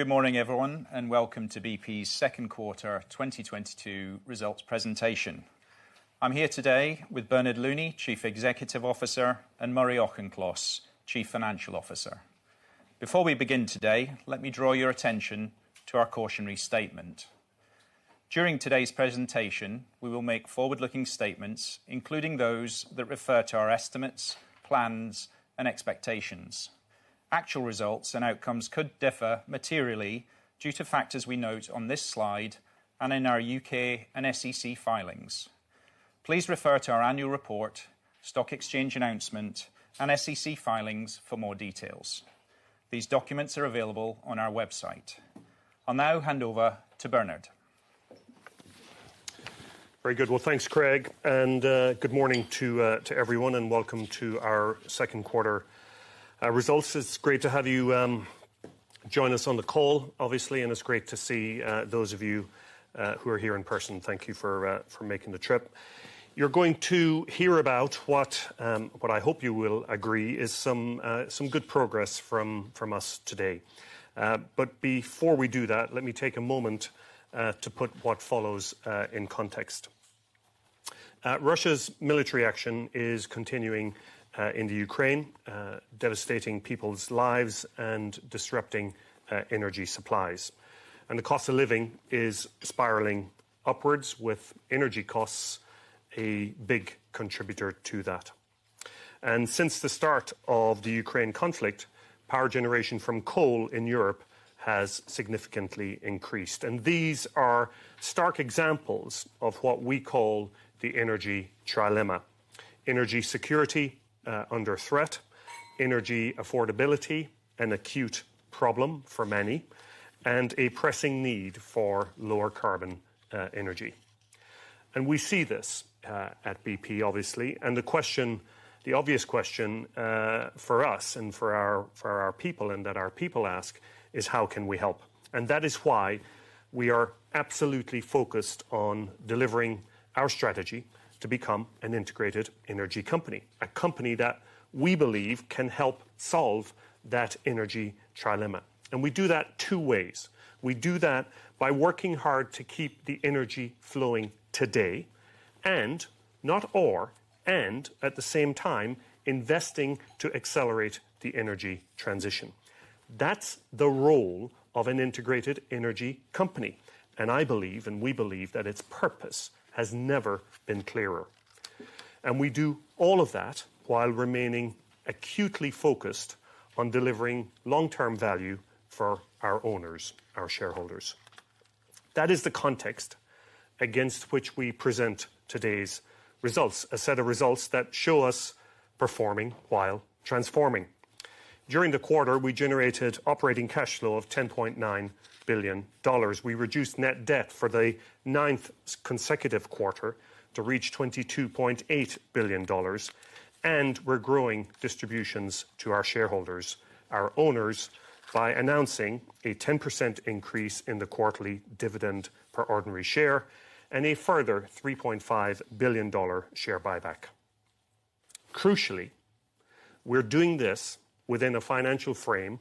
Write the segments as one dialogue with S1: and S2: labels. S1: Good morning, everyone, and welcome to BP's Q2 2022 results presentation. I'm here today with Bernard Looney, Chief Executive Officer, and Murray Auchincloss, Chief Financial Officer. Before we begin today, let me draw your attention to our cautionary statement. During today's presentation, we will make forward-looking statements, including those that refer to our estimates, plans, and expectations. Actual results and outcomes could differ materially due to factors we note on this slide and in our UK and SEC filings. Please refer to our annual report, stock exchange announcement, and SEC filings for more details. These documents are available on our website. I'll now hand over to Bernard.
S2: Very good. Well, thanks, Craig, and good morning to everyone and welcome to our Q2 results. It's great to have you join us on the call, obviously, and it's great to see those of you who are here in person. Thank you for making the trip. You're going to hear about what I hope you will agree is some good progress from us today. Before we do that, let me take a moment to put what follows in context. Russia's military action is continuing into Ukraine, devastating people's lives and disrupting energy supplies. The cost of living is spiraling upwards with energy costs a big contributor to that. Since the start of the Ukraine conflict, power generation from coal in Europe has significantly increased. These are stark examples of what we call the energy trilemma. Energy security under threat, energy affordability, an acute problem for many, and a pressing need for lower carbon energy. We see this at BP, obviously. The obvious question for us and for our people, and that our people ask is, "How can we help?" That is why we are absolutely focused on delivering our strategy to become an integrated energy company. A company that we believe can help solve that energy trilemma. We do that two ways. We do that by working hard to keep the energy flowing today and, not or, and at the same time investing to accelerate the energy transition. That's the role of an integrated energy company. I believe, and we believe, that its purpose has never been clearer. We do all of that while remaining acutely focused on delivering long-term value for our owners, our shareholders. That is the context against which we present today's results, a set of results that show us performing while transforming. During the quarter, we generated operating cash flow of $10.9 billion. We reduced net debt for the ninth consecutive quarter to reach $22.8 billion. We're growing distributions to our shareholders, our owners, by announcing a 10% increase in the quarterly dividend per ordinary share and a further $3.5 billion share buyback. Crucially, we're doing this within a financial frame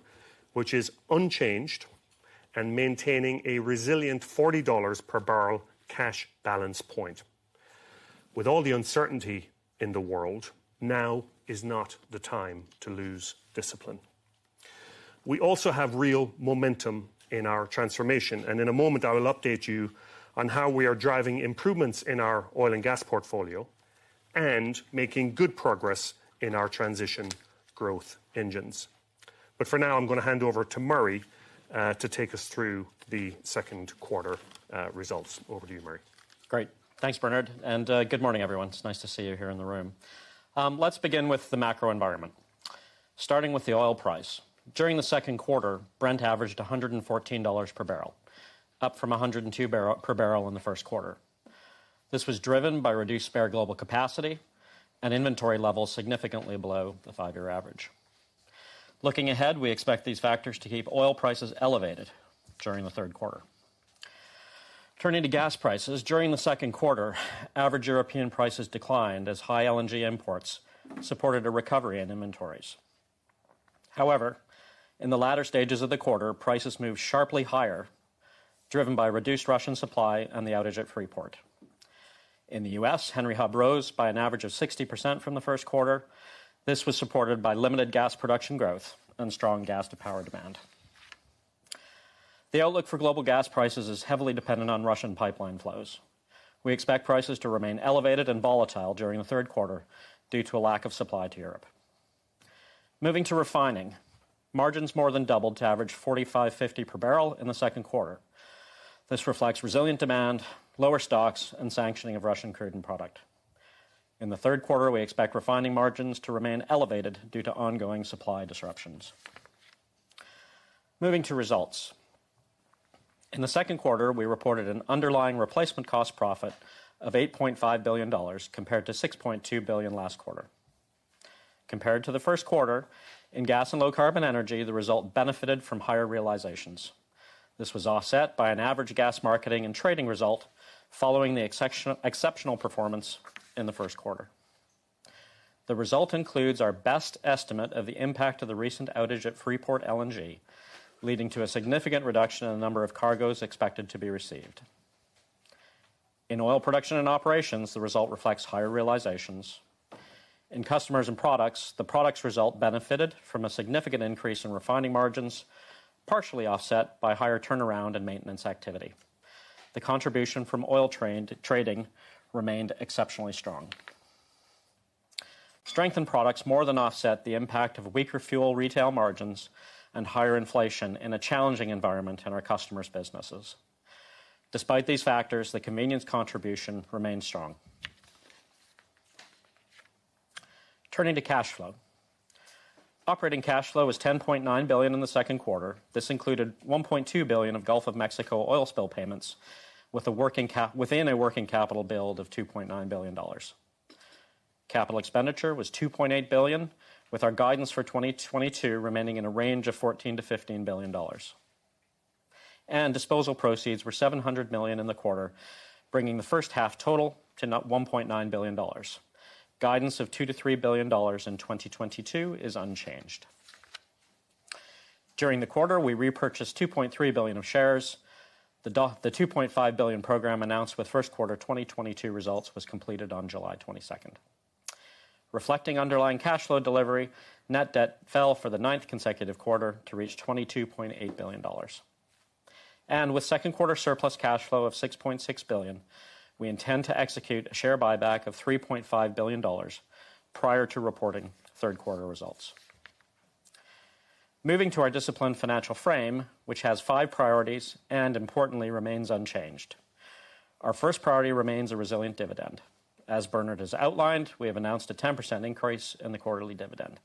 S2: which is unchanged and maintaining a resilient $40 per barrel cash balance point. With all the uncertainty in the world, now is not the time to lose discipline. We also have real momentum in our transformation, and in a moment, I will update you on how we are driving improvements in our oil and gas portfolio and making good progress in our transition growth engines. For now, I'm going to hand over to Murray, to take us through Q2 results. Over to you, Murray.
S3: Great. Thanks, Bernard. Good morning, everyone. It's nice to see you here in the room. Let's begin with the macro environment. Starting with the oil price. During Q2, Brent averaged $114 per barrel, up from $102 per barrel in Q1. This was driven by reduced spare global capacity and inventory levels significantly below the five-year average. Looking ahead, we expect these factors to keep oil prices elevated during Q3. Turning to gas prices. During Q2, average European prices declined as high LNG imports supported a recovery in inventories. However, in the latter stages of the quarter, prices moved sharply higher, driven by reduced Russian supply and the outage at Freeport. In the U.S., Henry Hub rose by an average of 60% from Q1. This was supported by limited gas production growth and strong gas-to-power demand. The outlook for global gas prices is heavily dependent on Russian pipeline flows. We expect prices to remain elevated and volatile during Q3 due to a lack of supply to Europe. Moving to refining. Margins more than doubled to average $45.50 per barrel in Q2. This reflects resilient demand, lower stocks, and sanctioning of Russian crude and product. In Q3, we expect refining margins to remain elevated due to ongoing supply disruptions. Moving to results. In Q2, we reported an underlying replacement cost profit of $8.5 billion, compared to $6.2 billion last quarter. Compared to Q1, in Gas and Low Carbon Energy, the result benefited from higher realizations. This was offset by an average gas marketing and trading result following the exceptional performance in Q1. the result includes our best estimate of the impact of the recent outage at Freeport LNG, leading to a significant reduction in the number of cargoes expected to be received. In Oil Production and Operations, the result reflects higher realizations. In Customers and Products, the products result benefited from a significant increase in refining margins, partially offset by higher turnaround and maintenance activity. The contribution from oil trading remained exceptionally strong. Strength in products more than offset the impact of weaker fuel retail margins and higher inflation in a challenging environment in our customers' businesses. Despite these factors, the convenience contribution remained strong. Turning to cash flow. Operating cash flow was $10.9 billion in Q2. This included $1.2 billion of Gulf of Mexico oil spill payments within a working capital build of $2.9 billion. Capital expenditure was $2.8 billion, with our guidance for 2022 remaining in a range of $14 billion-$15 billion. Disposal proceeds were $700 million in the quarter, bringing the first half total to one point nine billion dollars. Guidance of $2 billion-$3 billion in 2022 is unchanged. During the quarter, we repurchased $2.3 billion of shares. The $2.5 Billion program announced with Q1 2022 results was completed on July 22nd. Reflecting underlying cash flow delivery, net debt fell for the ninth consecutive quarter to reach $22.8 billion. With Q2 surplus cash flow of $6.6 billion, we intend to execute a share buyback of $3.5 billion prior to reporting Q3 results. Moving to our disciplined financial frame, which has five priorities and importantly remains unchanged. Our first priority remains a resilient dividend. As Bernard has outlined, we have announced a 10% increase in the quarterly dividend.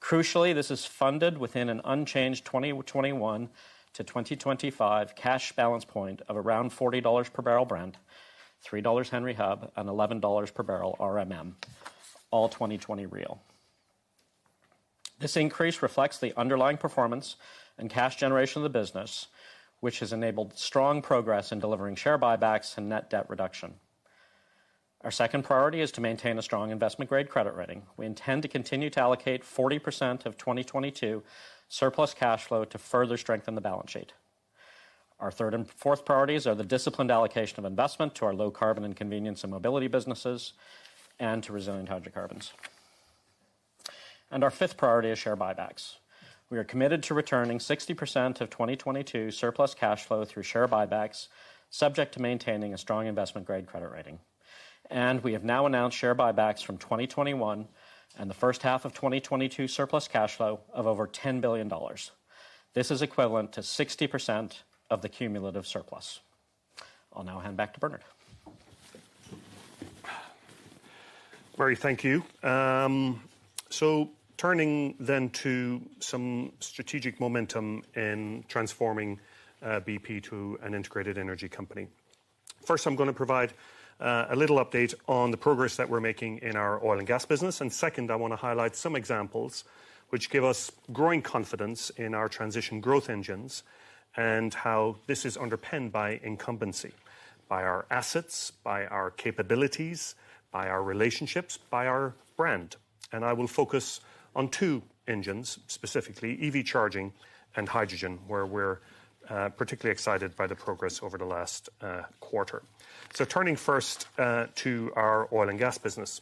S3: Crucially, this is funded within an unchanged 2021-2025 cash balance point of around $40 per barrel Brent, $3 Henry Hub, and $11 per barrel RMM, all 2020 real. This increase reflects the underlying performance and cash generation of the business, which has enabled strong progress in delivering share buybacks and net debt reduction. Our second priority is to maintain a strong investment-grade credit rating. We intend to continue to allocate 40% of 2022 surplus cash flow to further strengthen the balance sheet. Our third and fourth priorities are the disciplined allocation of investment to our low carbon and convenience and mobility businesses and to resilient hydrocarbons. Our fifth priority is share buybacks. We are committed to returning 60% of 2022 surplus cash flow through share buybacks, subject to maintaining a strong investment-grade credit rating. We have now announced share buybacks from 2021 and the first half of 2022 surplus cash flow of over $10 billion. This is equivalent to 60% of the cumulative surplus. I'll now hand back to Bernard.
S2: Murray, thank you. Turning to some strategic momentum in transforming BP to an integrated energy company. First, I'm going to provide a little update on the progress that we're making in our oil and gas business. Second, I want to highlight some examples which give us growing confidence in our transition growth engines and how this is underpinned by incumbency, by our assets, by our capabilities, by our relationships, by our brand. I will focus on two engines, specifically EV charging and hydrogen, where we're particularly excited by the progress over the last quarter. Turning first to our oil and gas business.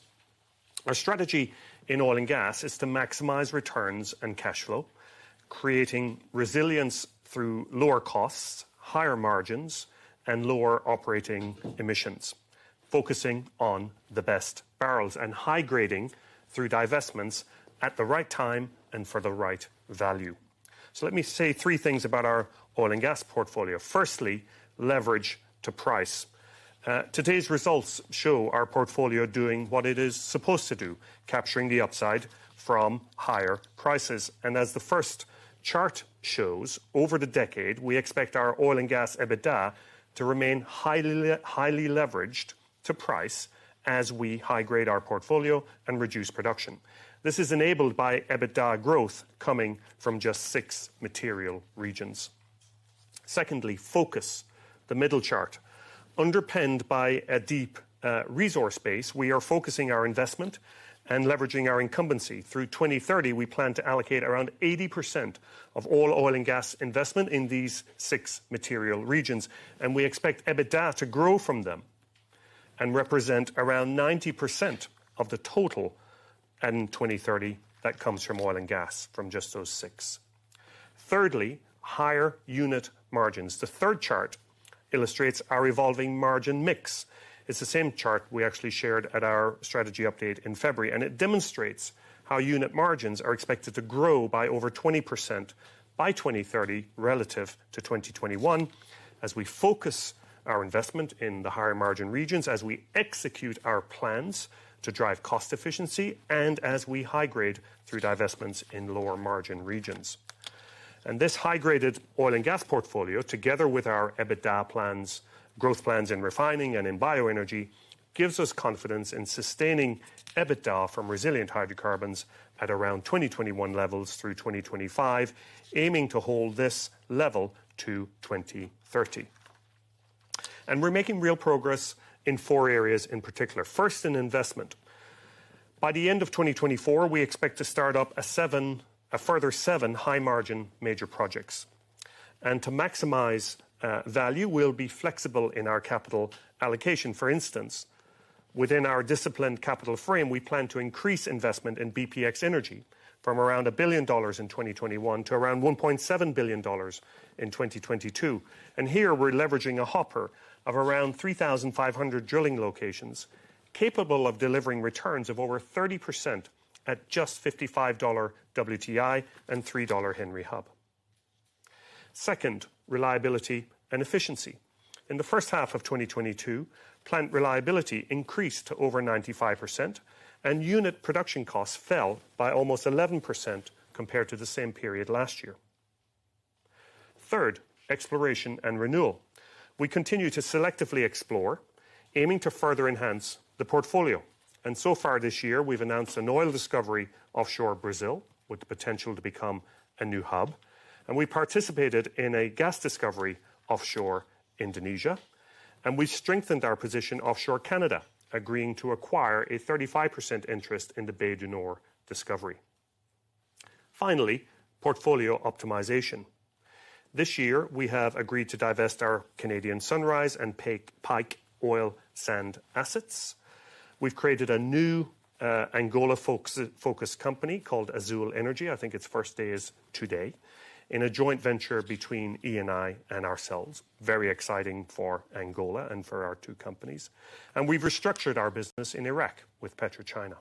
S2: Our strategy in oil and gas is to maximize returns and cash flow, creating resilience through lower costs, higher margins, and lower operating emissions, focusing on the best barrels and high-grading through divestments at the right time and for the right value. Let me say three things about our oil and gas portfolio. Firstly, leverage to price. Today's results show our portfolio doing what it is supposed to do, capturing the upside from higher prices. As the first chart shows, over the decade, we expect our oil and gas EBITDA to remain highly leveraged to price as we high-grade our portfolio and reduce production. This is enabled by EBITDA growth coming from just six material regions. Secondly, focus, the middle chart. Underpinned by a deep resource base, we are focusing our investment and leveraging our incumbency. Through 2030, we plan to allocate around 80% of all oil and gas investment in these six material regions, and we expect EBITDA to grow from them and represent around 90% of the total. In 2030, that comes from oil and gas from just those six. Thirdly, higher unit margins. The third chart illustrates our evolving margin mix. It's the same chart we actually shared at our strategy update in February, and it demonstrates how unit margins are expected to grow by over 20% by 2030 relative to 2021 as we focus our investment in the higher margin regions, as we execute our plans to drive cost efficiency, and as we high-grade through divestments in lower margin regions. This high-graded oil and gas portfolio, together with our EBITDA plans, growth plans in refining and in bioenergy, gives us confidence in sustaining EBITDA from resilient hydrocarbons at around 2021 levels through 2025, aiming to hold this level to 2030. We're making real progress in four areas in particular. First, in investment. By the end of 2024, we expect to start up a further seven high-margin major projects. To maximize value, we'll be flexible in our capital allocation. For instance, within our disciplined capital frame, we plan to increase investment in BPX Energy from around $1 billion in 2021 to around $1.7 billion in 2022. Here we're leveraging a hopper of around 3,500 drilling locations, capable of delivering returns of over 30% at just $55 WTI and $3 Henry Hub. Second, reliability and efficiency. In the first half of 2022, plant reliability increased to over 95% and unit production costs fell by almost 11% compared to the same period last year. Third, exploration and renewal. We continue to selectively explore, aiming to further enhance the portfolio. So far this year, we've announced an oil discovery offshore Brazil with the potential to become a new hub. We participated in a gas discovery offshore Indonesia. We strengthened our position offshore Canada, agreeing to acquire a 35% interest in the Bay du Nord discovery. Finally, portfolio optimization. This year we have agreed to divest our Canadian Sunrise and Pike oil sands assets. We've created a new Angola-focused company called Azule Energy. I think its first day is today, in a joint venture between Eni and ourselves. Very exciting for Angola and for our two companies. We've restructured our business in Iraq with PetroChina.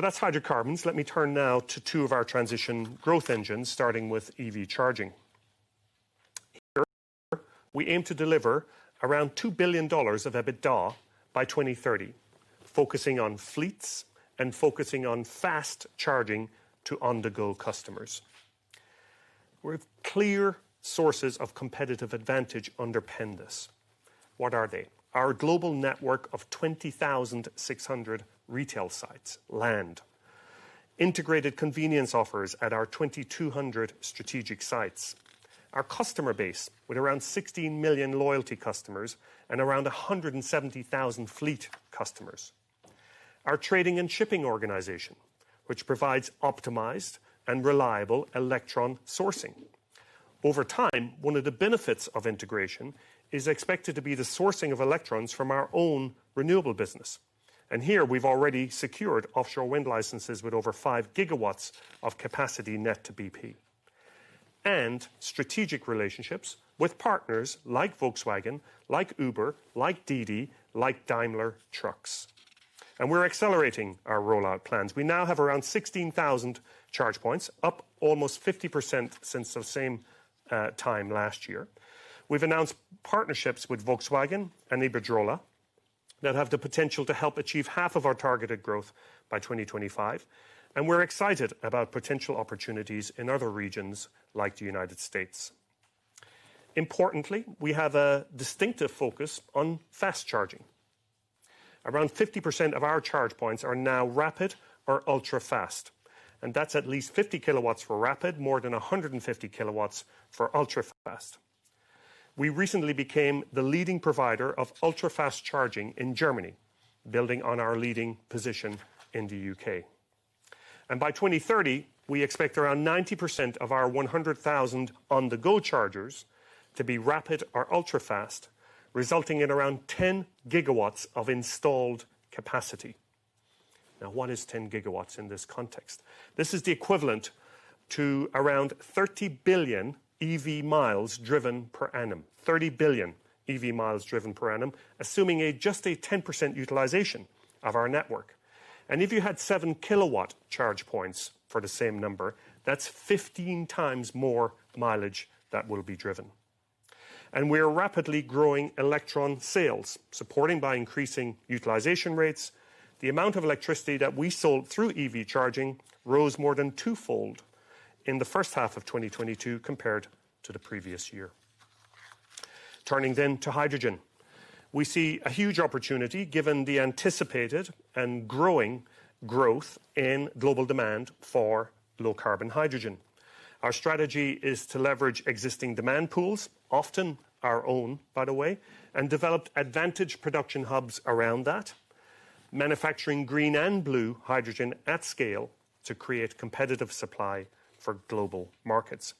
S2: That's hydrocarbons. Let me turn now to two of our transition growth engines, starting with EV charging. Here we aim to deliver around $2 billion of EBITDA by 2030, focusing on fleets and focusing on fast charging to on-the-go customers. With clear sources of competitive advantage underpin this. What are they? Our global network of 20,600 retail sites and. Integrated convenience offers at our 2,200 strategic sites. Our customer base with around 16 million loyalty customers and around 170,000 fleet customers. Our trading and shipping organization, which provides optimized and reliable electron sourcing. Over time, one of the benefits of integration is expected to be the sourcing of electrons from our own renewable business. Here we've already secured offshore wind licenses with over 5 GW of capacity net to BP. Strategic relationships with partners like Volkswagen, like Uber, like DiDi, like Daimler Truck. We're accelerating our rollout plans. We now have around 16,000 charge points, up almost 50% since the same time last year. We've announced partnerships with Volkswagen and Iberdrola that have the potential to help achieve half of our targeted growth by 2025, and we're excited about potential opportunities in other regions like the United States. Importantly, we have a distinctive focus on fast charging. Around 50% of our charge points are now rapid or ultra-fast, and that's at least 50 kW for rapid, more than 150 kW for ultra-fast. We recently became the leading provider of ultra-fast charging in Germany, building on our leading position in the UK. By 2030, we expect around 90% of our 100,000 on-the-go chargers to be rapid or ultra-fast, resulting in around 10 GW of installed capacity. Now, what is 10 GW in this context? This is the equivalent to around 30 billion EV miles driven per annum, assuming just a 10% utilization of our network. If you had 7 kW charge points for the same number, that's 15 times more mileage that will be driven. We are rapidly growing electron sales, supported by increasing utilization rates. The amount of electricity that we sold through EV charging rose more than twofold in the first half of 2022 compared to the previous year. Turning then to hydrogen. We see a huge opportunity given the anticipated and growing growth in global demand for low-carbon hydrogen. Our strategy is to leverage existing demand pools, often our own, by the way, and develop advantage production hubs around that, manufacturing green and blue hydrogen at scale to create competitive supply for global markets,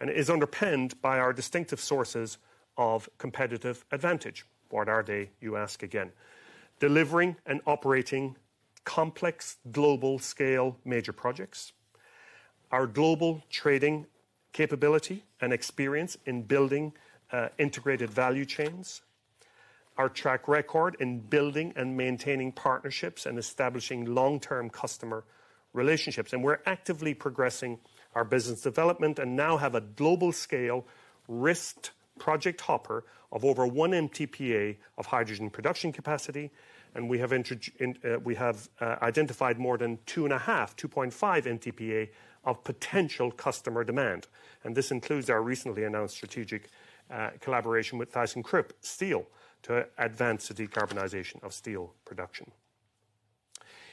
S2: and is underpinned by our distinctive sources of competitive advantage. What are they, you ask again. Delivering and operating complex global scale major projects. Our global trading capability and experience in building integrated value chains. Our track record in building and maintaining partnerships and establishing long-term customer relationships. We're actively progressing our business development and now have a global scale risked project hopper of over 1 MTPA of hydrogen production capacity. We have identified more than 2.5 MTPA of potential customer demand. This includes our recently announced strategic collaboration with thyssenkrupp Steel to advance the decarbonization of steel production.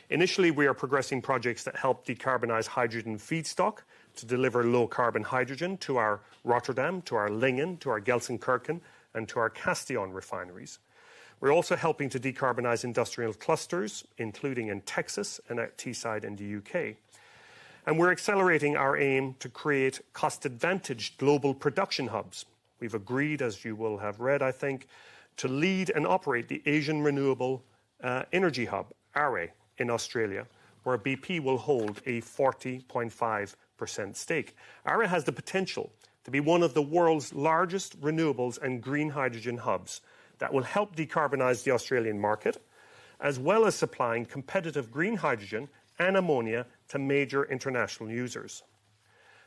S2: Initially, we are progressing projects that help decarbonize hydrogen feedstock to deliver low carbon hydrogen to our Rotterdam, to our Lingen, to our Gelsenkirchen, and to our Castellón refineries. We're also helping to decarbonize industrial clusters, including in Texas and at Teesside in the UK. We're accelerating our aim to create cost-advantaged global production hubs. We've agreed, as you will have read, I think, to lead and operate the Asian Renewable Energy Hub, ARE, in Australia, where BP will hold a 40.5% stake. ARE has the potential to be one of the world's largest renewables and green hydrogen hubs that will help decarbonize the Australian market, as well as supplying competitive green hydrogen and ammonia to major international users.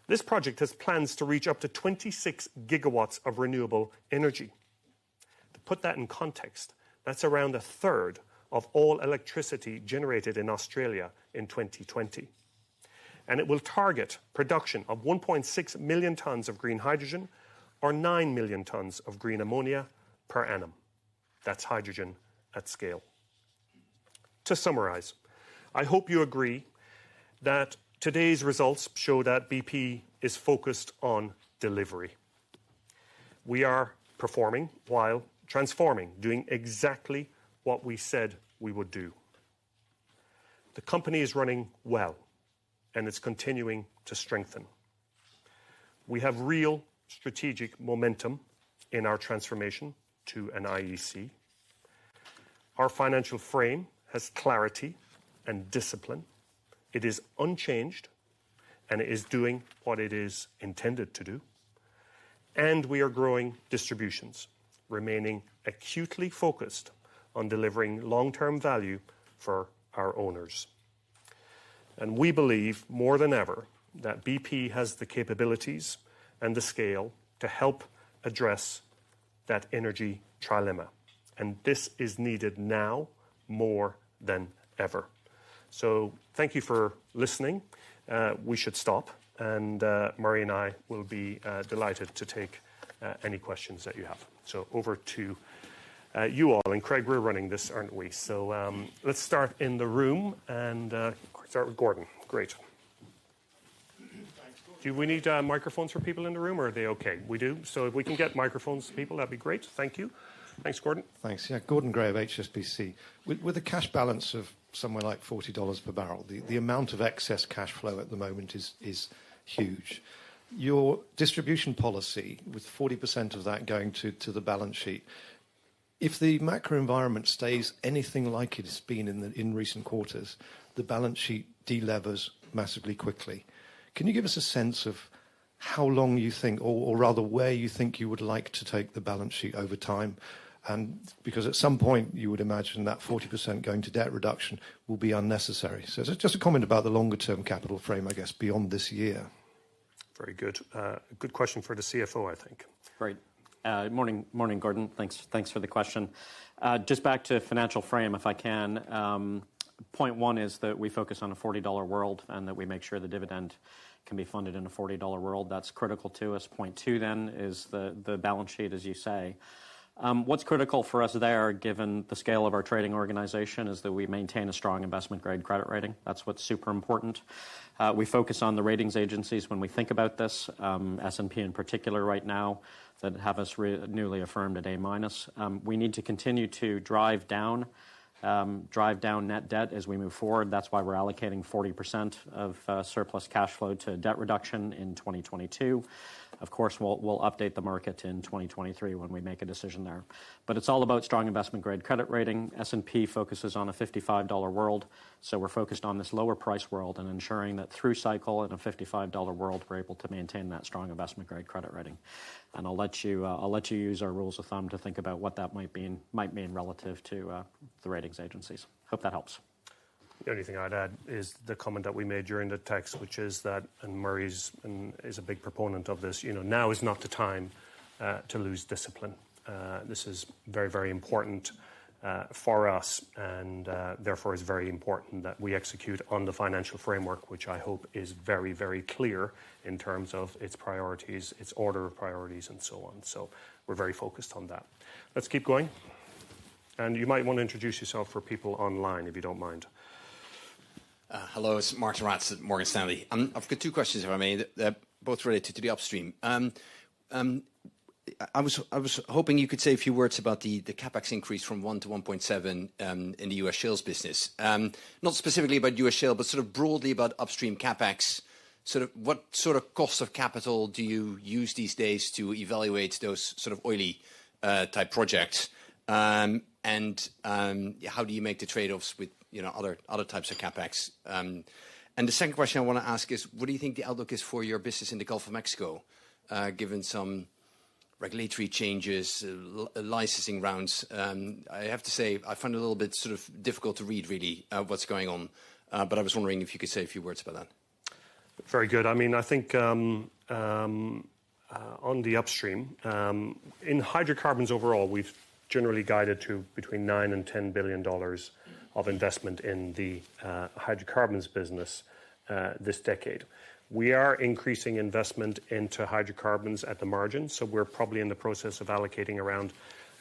S2: This project has plans to reach up to 26 GW of renewable energy. To put that in context, that's around a third of all electricity generated in Australia in 2020. It will target production of 1.6 million tons of green hydrogen or 9 million tons of green ammonia per annum. That's hydrogen at scale. To summarize, I hope you agree that today's results show that BP is focused on delivery. We are performing while transforming, doing exactly what we said we would do. The company is running well, and it's continuing to strengthen. We have real strategic momentum in our transformation to an IEC. Our financial frame has clarity and discipline. It is unchanged, and it is doing what it is intended to do. We are growing distributions, remaining acutely focused on delivering long-term value for our owners. We believe more than ever that BP has the capabilities and the scale to help address that energy trilemma. This is needed now more than ever. Thank you for listening. We should stop. Murray and I will be delighted to take any questions that you have. Over to you all. Craig, we're running this, aren't we? Let's start in the room and start with Gordon. Great. Do we need microphones for people in the room or are they okay? We do. If we can get microphones to people, that'd be great. Thank you. Thanks, Gordon.
S4: Thanks. Gordon Gray of HSBC. With the cash balance of somewhere like $40 per barrel, the amount of excess cash flow at the moment is huge. Your distribution policy, with 40% of that going to the balance sheet, if the macro environment stays anything like it's been in recent quarters, the balance sheet delevers massively quickly. Can you give us a sense of how long you think or rather where you think you would like to take the balance sheet over time? Because at some point you would imagine that 40% going to debt reduction will be unnecessary. Just a comment about the longer term capital framework beyond this year.
S2: Very good. A good question for the CFO, I think.
S3: Great. Morning, Gordon. Thanks for the question. Just back to financial frame, if I can. Point one is that we focus on a $40 world and that we make sure the dividend can be funded in a $40 world. That's critical to us. Point two then is the balance sheet, as you say. What's critical for us there, given the scale of our trading organization, is that we maintain a strong investment-grade credit rating. That's what's super important. We focus on the ratings agencies when we think about this, S&P in particular right now, that have us newly affirmed at A-. We need to continue to drive down net debt as we move forward. That's why we're allocating 40% of surplus cash flow to debt reduction in 2022. Of course, we'll update the market in 2023 when we make a decision there. It's all about strong investment-grade credit rating. S&P focuses on a $55 world, so we're focused on this lower price world and ensuring that through cycle in a $55 world, we're able to maintain that strong investment-grade credit rating. I'll let you use our rules of thumb to think about what that might mean relative to the ratings agencies. Hope that helps.
S2: The only thing I'd add is the comment that we made during the text, which is that, and Murray's is a big proponent of this, now is not the time to lose discipline. This is very, very important for us. Therefore, it's very important that we execute on the financial framework, which I hope is very, very clear in terms of its priorities, its order of priorities and so on. We're very focused on that. Let's keep going. You might want to introduce yourself for people online, if you don't mind.
S5: Hello. It's Martijn Rats at Morgan Stanley. I've got two questions, if I may. They're both related to the upstream. I was hoping you could say a few words about the CapEx increase from $1 to $1.7 in the US Shale business. Not specifically about US Shale, but broadly about upstream CapEx. What cost of capital do you use these days to evaluate those oily type projects? And how do you make the trade-offs with, other types of CapEx? The second question I want to ask is, what do you think the outlook is for your business in the Gulf of Mexico, given some regulatory changes, licensing rounds? I have to say, I find it a little bit difficult to read really, what's going on. I was wondering if you could say a few words about that.
S2: Very good. I think, on the upstream, in hydrocarbons overall, we've generally guided to between $9 billion and $10 billion of investment in the hydrocarbons business this decade. We are increasing investment into hydrocarbons at the margin, so we're probably in the process of allocating around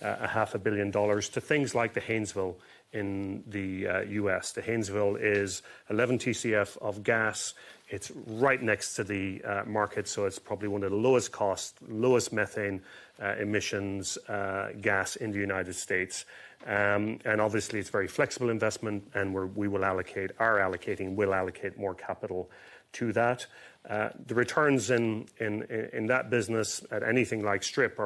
S2: a half a billion dollars to things like the Haynesville in the US. The Haynesville is 11 TCF of gas. It's right next to the market, so it's probably one of the lowest cost, lowest methane emissions gas in the United States. Obviously, it's very flexible investment, and we're allocating more capital to that. The returns in that business at anything like strip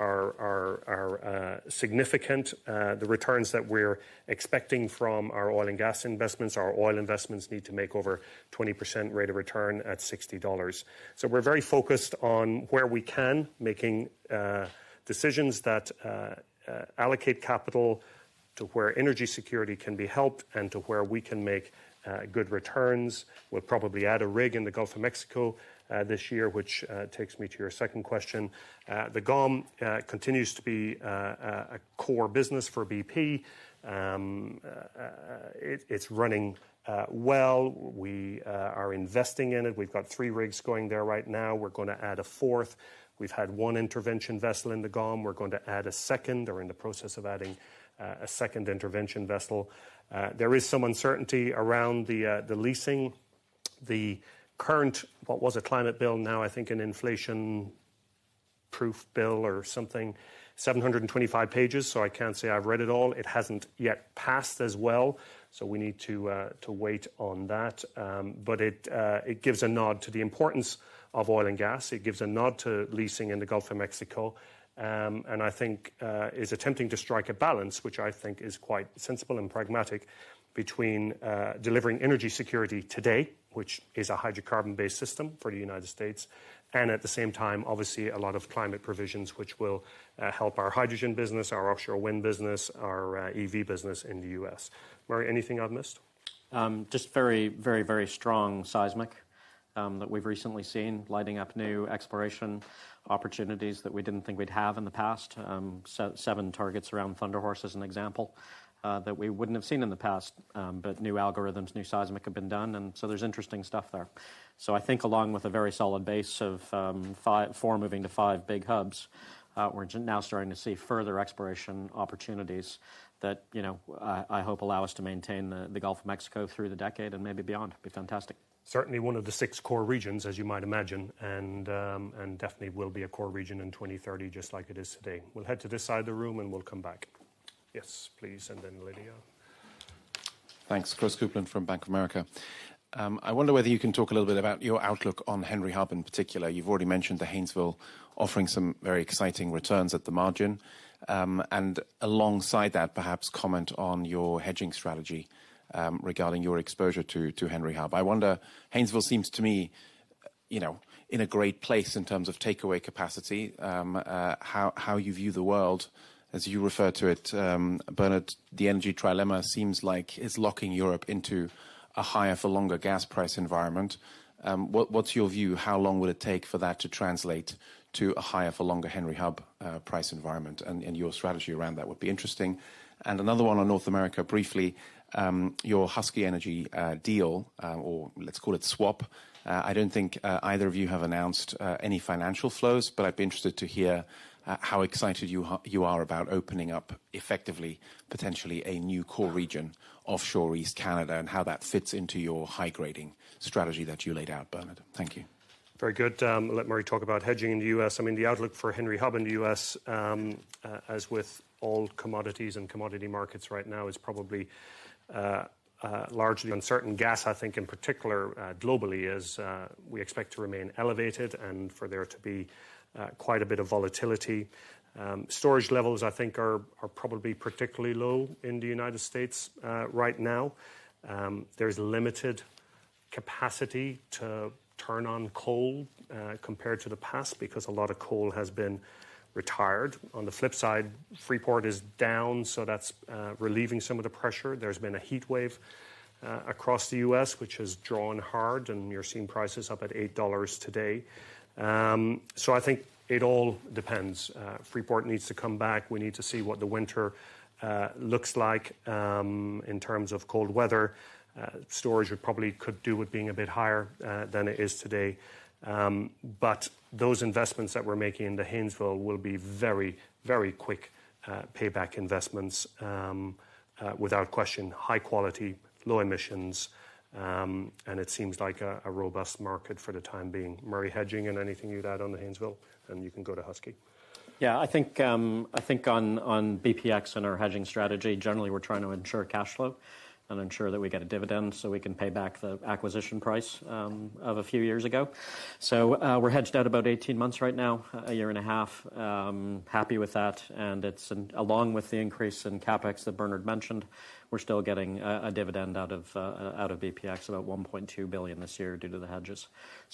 S2: are significant. The returns that we're expecting from our oil and gas investments, our oil investments need to make over 20% rate of return at $60. We're very focused on making decisions that allocate capital to where energy security can be helped and to where we can make good returns. We'll probably add a rig in the Gulf of Mexico this year, which takes me to your second question. The GOM continues to be a core business for BP. It's running well. We are investing in it. We've got three rigs going there right now. We're going to add a fourth. We've had 1 intervention vessel in the GOM. We're going to add a second, or in the process of adding, a second intervention vessel. There is some uncertainty around the leasing. The current, what was a climate bill, now I think an Inflation Reduction Act or something, 725 pages, so I can't say I've read it all. It hasn't yet passed as well, so we need to wait on that, but it gives a nod to the importance of oil and gas. It gives a nod to leasing in the Gulf of Mexico. I think is attempting to strike a balance, which I think is quite sensible and pragmatic, between delivering energy security today, which is a hydrocarbon-based system for the United States, and at the same time, obviously, a lot of climate provisions which will help our hydrogen business, our offshore wind business, our EV business in the US. Murray, anything I've missed?
S3: Just very strong seismic that we've recently seen lighting up new exploration opportunities that we didn't think we'd have in the past. Seven targets around Thunder Horse as an example, that we wouldn't have seen in the past. New algorithms, new seismic have been done, and so there's interesting stuff there. I think along with a very solid base of four moving to five big hubs, we're now starting to see further exploration opportunities that I hope allow us to maintain the Gulf of Mexico through the decade and maybe beyond. Be fantastic.
S2: Certainly one of the six core regions, as you might imagine, and definitely will be a core region in 2030, just like it is today. We'll head to this side of the room, and we'll come back. Yes, please, and then Lydia.
S6: Thanks. Christopher Kuplent from Bank of America. I wonder whether you can talk a little bit about your outlook on Henry Hub in particular. You've already mentioned the Haynesville offering some very exciting returns at the margin. Alongside that, perhaps comment on your hedging strategy regarding your exposure to Henry Hub. I wonder, Haynesville seems to me, in a great place in terms of takeaway capacity, how you view the world as you refer to it, Bernard, the energy trilemma seems like it's locking Europe into a higher for longer gas price environment. What's your view? How long will it take for that to translate to a higher for longer Henry Hub price environment? Your strategy around that would be interesting. Another one on North America briefly, your Husky Energy deal, or let's call it swap. I don't think either of you have announced any financial flows, but I'd be interested to hear how excited you are about opening up effectively, potentially a new core region offshore East Canada, and how that fits into your high-grading strategy that you laid out, Bernard. Thank you.
S2: Very good. I'll let Murray talk about hedging in the U.S. the outlook for Henry Hub in the U.S., as with all commodities and commodity markets right now, is probably largely uncertain. Gas, I think, in particular, globally, we expect to remain elevated and for there to be quite a bit of volatility. Storage levels, I think, are probably particularly low in the United States right now. There's limited capacity to turn on coal compared to the past because a lot of coal has been retired. On the flip side, Freeport is down, so that's relieving some of the pressure. There's been a heatwave across the U.S. which has drawn down hard, and you're seeing prices up at $8 today. I think it all depends. Freeport needs to come back. We need to see what the winter looks like in terms of cold weather. Storage, we probably could do with being a bit higher than it is today. Those investments that we're making in the Haynesville will be very quick payback investments. Without question, high quality, low emissions, and it seems like a robust market for the time being. Murray, hedging and anything you'd add on the Haynesville, then you can go to Husky.
S3: Yes, I think on BPX and our hedging strategy, generally, we're trying to ensure cash flow and ensure that we get a dividend so we can pay back the acquisition price of a few years ago. We're hedged out about 18 months right now, a year and a half. Happy with that. Along with the increase in CapEx that Bernard mentioned, we're still getting a dividend out of BPX, about $1.2 billion this year due to the hedges.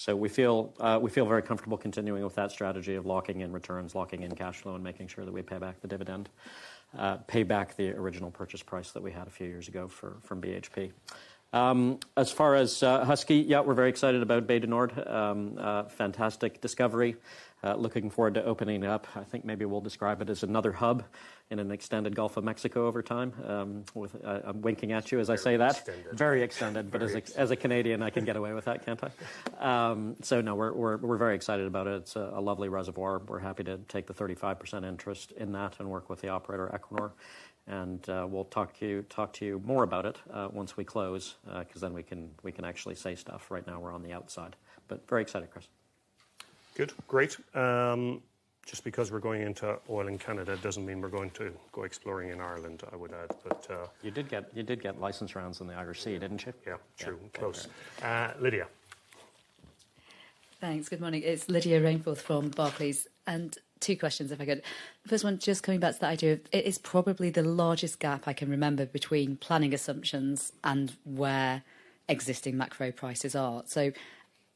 S3: We feel very comfortable continuing with that strategy of locking in returns, locking in cash flow, and making sure that we pay back the dividend. Pay back the original purchase price that we had a few years ago from BHP. As far as Husky, Yes, we're very excited about Bay du Nord. A fantastic discovery. Looking forward to opening it up. I think maybe we'll describe it as another hub in an extended Gulf of Mexico over time, with, I'm winking at you as I say that.
S2: Very extended.
S3: Very extended. As a Canadian, I can get away with that, can't I? We're very excited about it. It's a lovely reservoir. We're happy to take the 35% interest in that and work with the operator, Equinor. We'll talk to you more about it once we close, because then we can actually say stuff. Right now, we're on the outside. Very excited, Chris.
S2: Good. Great. Just because we're going into oil in Canada doesn't mean we're going to go exploring in Ireland, I would add.
S3: You did get license rounds in the Irish Sea, didn't you?
S2: Yes, true. Close.
S3: Yes. Okay.
S2: Lydia.
S7: Thanks. Good morning. It's Lydia Rainforth from Barclays. Two questions if I could. First one, just coming back to that idea of it is probably the largest gap I can remember between planning assumptions and where existing macro prices are.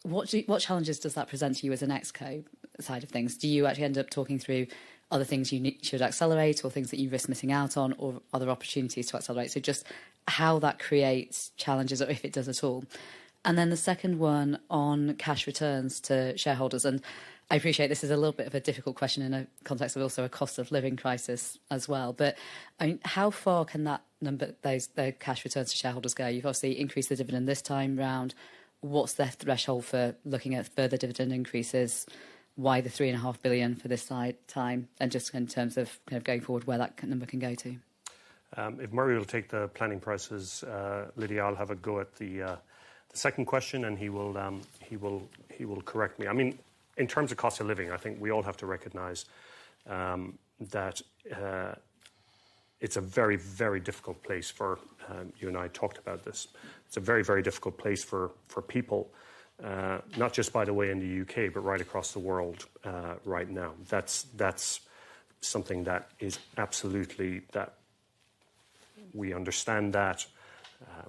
S7: What challenges does that present to you as an ExCo side of things? Do you actually end up talking through other things you should accelerate, or things that you risk missing out on or other opportunities to accelerate? Just how that creates challenges or if it does at all. Then the second one on cash returns to shareholders, and I appreciate this is a little bit of a difficult question in a context of also a cost of living crisis as well. How far can that number, the cash returns to shareholders go? You've obviously increased the dividend this time round. What's the threshold for looking at further dividend increases? Why the $3.5 billion for this timeframe? Just in terms of going forward, where that key number can go to.
S2: Murray will take the planning prices, Lydia, I'll have a go at the second question, and he will correct me. In terms of cost of living, I think we all have to recognize that it's a very, very difficult place for people, not just by the way in the UK, but right across the world right now. That's something that we absolutely understand,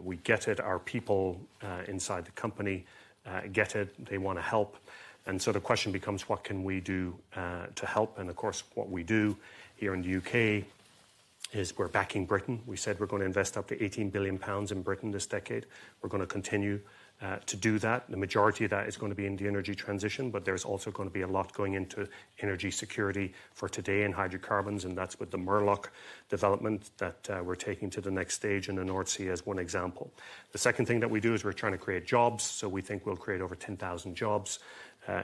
S2: we get it, our people inside the company get it. They want to help. The question becomes, what can we do to help? Of course, what we do here in the UK is we're backing Britain. We said we're going to invest up to 18 billion pounds in Britain this decade. We're going to continue to do that. The majority of that is going to be in the energy transition, but there's also going to be a lot going into energy security for today and hydrocarbons, and that's with the Murlach development that we're taking to the next stage in the North Sea as one example. The second thing that we do is we're trying to create jobs. We think we'll create over 10,000 jobs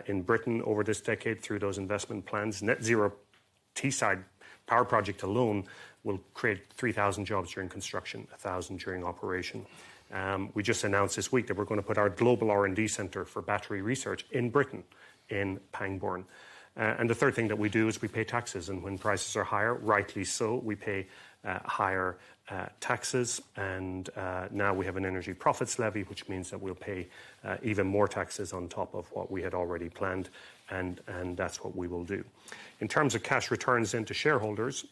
S2: in Britain over this decade through those investment plans. Net Zero Teesside Power project alone will create 3,000 jobs during construction, 1,000 during operation. We just announced this week that we're going to put our global R&D center for battery research in Britain, in Pangbourne. The third thing that we do is we pay taxes, and when prices are higher, rightly so, we pay higher taxes. Now we have an Energy Profits Levy, which means that we'll pay even more taxes on top of what we had already planned, and that's what we will do. In terms of cash returns into shareholders,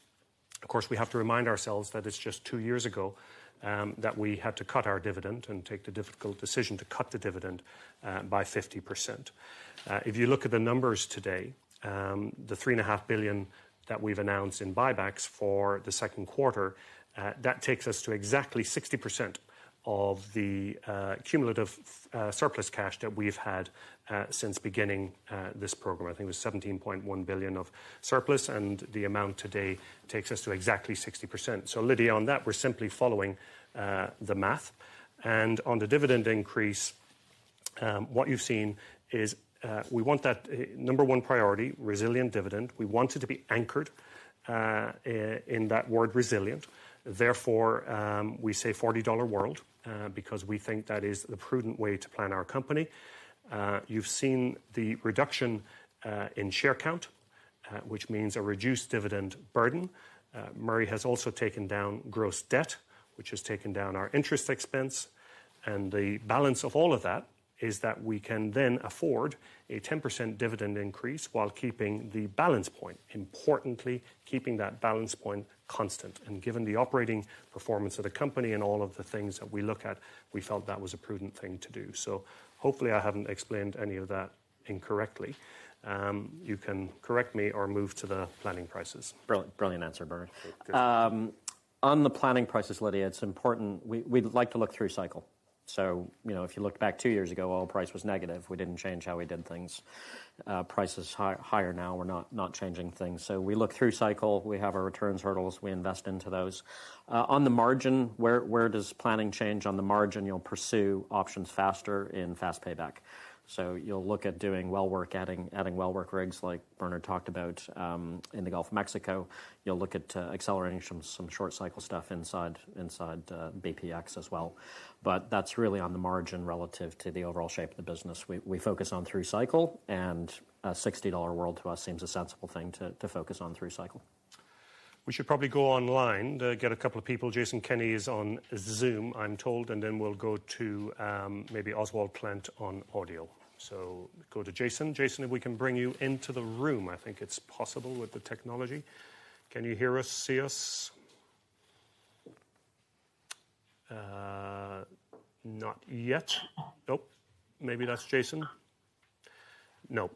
S2: of course, we have to remind ourselves that it's just two years ago that we had to cut our dividend and take the difficult decision to cut the dividend by 50%. If you look at the numbers today, the $3.5 billion that we've announced in buybacks for Q2, that takes us to exactly 60% of the cumulative surplus cash that we've had since beginning this program. I think it was $17.1 billion of surplus, and the amount today takes us to exactly 60%. Lydia, on that, we're simply following the math. On the dividend increase, what you've seen is we want that number one priority, resilient dividend. We want it to be anchored in that word resilient. Therefore, we say $40 world because we think that is the prudent way to plan our company. You've seen the reduction in share count, which means a reduced dividend burden. Murray has also taken down gross debt, which has taken down our interest expense. The balance of all of that is that we can then afford a 10% dividend increase while keeping the balance point. Importantly, keeping that balance point constant. Given the operating performance of the company and all of the things that we look at, we felt that was a prudent thing to do. Hopefully I haven't explained any of that incorrectly. You can correct me or move to the planning prices.
S3: Brilliant answer, Bernard.
S2: Good.
S3: On the planning prices, Lydia, it's important we'd like to look through cycle. if you looked back two years ago, oil price was negative. We didn't change how we did things. Price is higher now. We're not changing things. We look through cycle. We have our returns hurdles. We invest into those. On the margin, where does planning change on the margin? You'll pursue options faster in fast payback. You'll look at doing well work, adding well work rigs like Bernard talked about in the Gulf of Mexico. You'll look at accelerating some short cycle stuff inside BPX as well. But that's really on the margin relative to the overall shape of the business. We focus on through cycle and a $60 world to us seems a sensible thing to focus on through cycle.
S2: We should probably go online to get a couple of people. Jason Kenney is on Zoom, I'm told, and then we'll go to maybe Oswald Clint on audio. Go to Jason. Jason, if we can bring you into the room, I think it's possible with the technology. Can you hear us? See us? Not yet. Maybe that's Jason.
S8: Can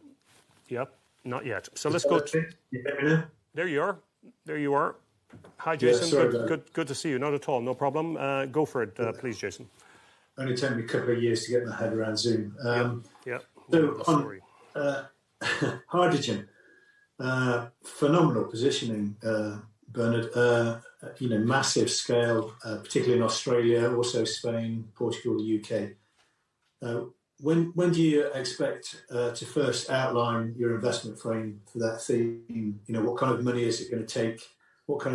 S8: you hear me now?
S2: There you are. Hi, Jason.
S8: Sorry about that.
S2: Good to see you. Not at all. No problem. Go for it, please, Jason.
S8: Only took me a couple of years to get my head around Zoom.
S2: No worry.
S8: On hydrogen, phenomenal positioning, Bernard. massive scale, particularly in Australia, also Spain, Portugal, UK. When do you expect to first outline your investment frame for that theme? What money is it going to take? What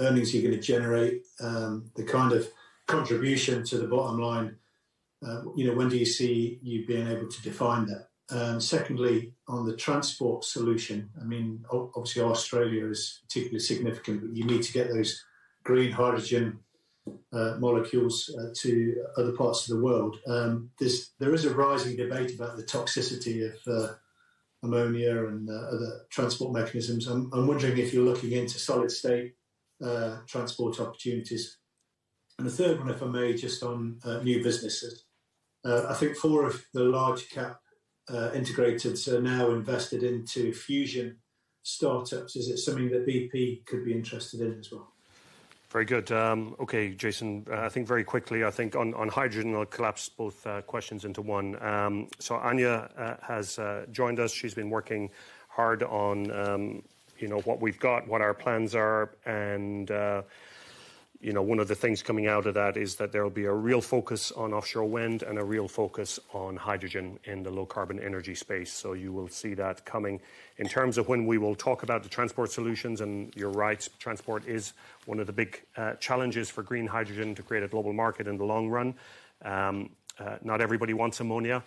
S8: earnings are you going to generate? The contribution to the bottom line, when do you see you being able to define that? Secondly, on the transport solution, obviously Australia is particularly significant, but you need to get those green hydrogen molecules to other parts of the world. There is a rising debate about the toxicity of ammonia and other transport mechanisms. I'm wondering if you're looking into solid-state transport opportunities. The third one, if I may, just on new businesses. I think four of the large-cap integrators are now invested into fusion startups. Is it something that BP could be interested in as well?
S2: Very good. Okay, Jason. I think very quickly, I think on hydrogen, I'll collapse both questions into one. Anja has joined us. She's been working hard on what we've got, what our plans are, and one of the things coming out of that is that there'll be a real focus on offshore wind and a real focus on hydrogen in the Low Carbon Energy space. You will see that coming. In terms of when we will talk about the transport solutions, and you're right, transport is one of the big challenges for green hydrogen to create a global market in the long run. Not everybody wants ammonia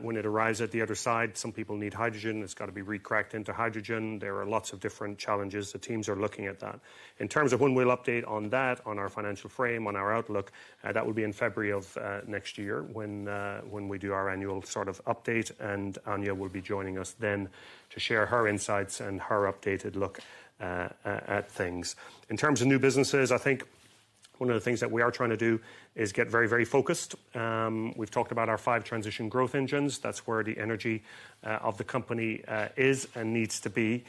S2: when it arrives at the other side. Some people need hydrogen. It's got to be re-cracked into hydrogen. There are lots of different challenges. The teams are looking at that. In terms of when we'll update on that, on our financial frame, on our outlook, that will be in February of next year when we do our annual update, and Anja will be joining us then to share her insights and her updated look at things. In terms of new businesses, I think one of the things that we are trying to do is get very, very focused. We've talked about our five transition growth engines. That's where the energy of the company is and needs to be.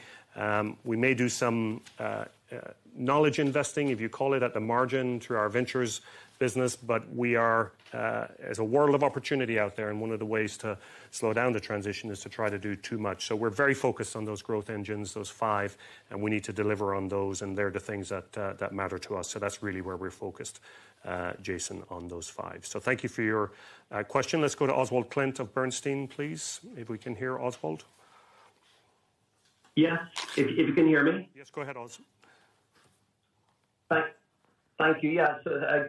S2: We may do some knowledge investing, if you call it, at the margin through our ventures business. But we are. There's a world of opportunity out there, and one of the ways to slow down the transition is to try to do too much. We're very focused on those growth engines, those five, and we need to deliver on those, and they're the things that matter to us. That's really where we're focused, Jason, on those five. Thank you for your question. Let's go to Oswald Clint of Bernstein, please, if we can hear Oswald.
S9: Yes. If you can hear me.
S2: Yes. Go ahead, Oswald.
S9: Thank you. Yes.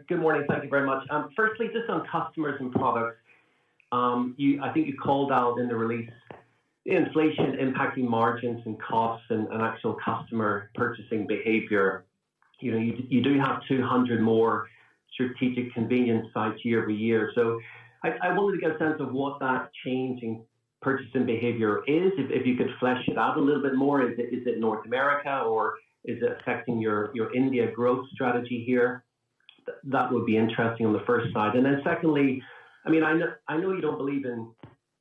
S9: Good morning. Thank you very much. Firstly, just on Customers and Products, you I think you called out in the release inflation impacting margins and costs and actual customer purchasing behavior. you do have 200 more strategic convenience sites year-over-year. I wanted to get a sense of what that change in purchasing behavior is, if you could flesh it out a little bit more. Is it North America, or is it affecting your India growth strategy here? That would be interesting on the first side. Then secondly, I know you don't believe in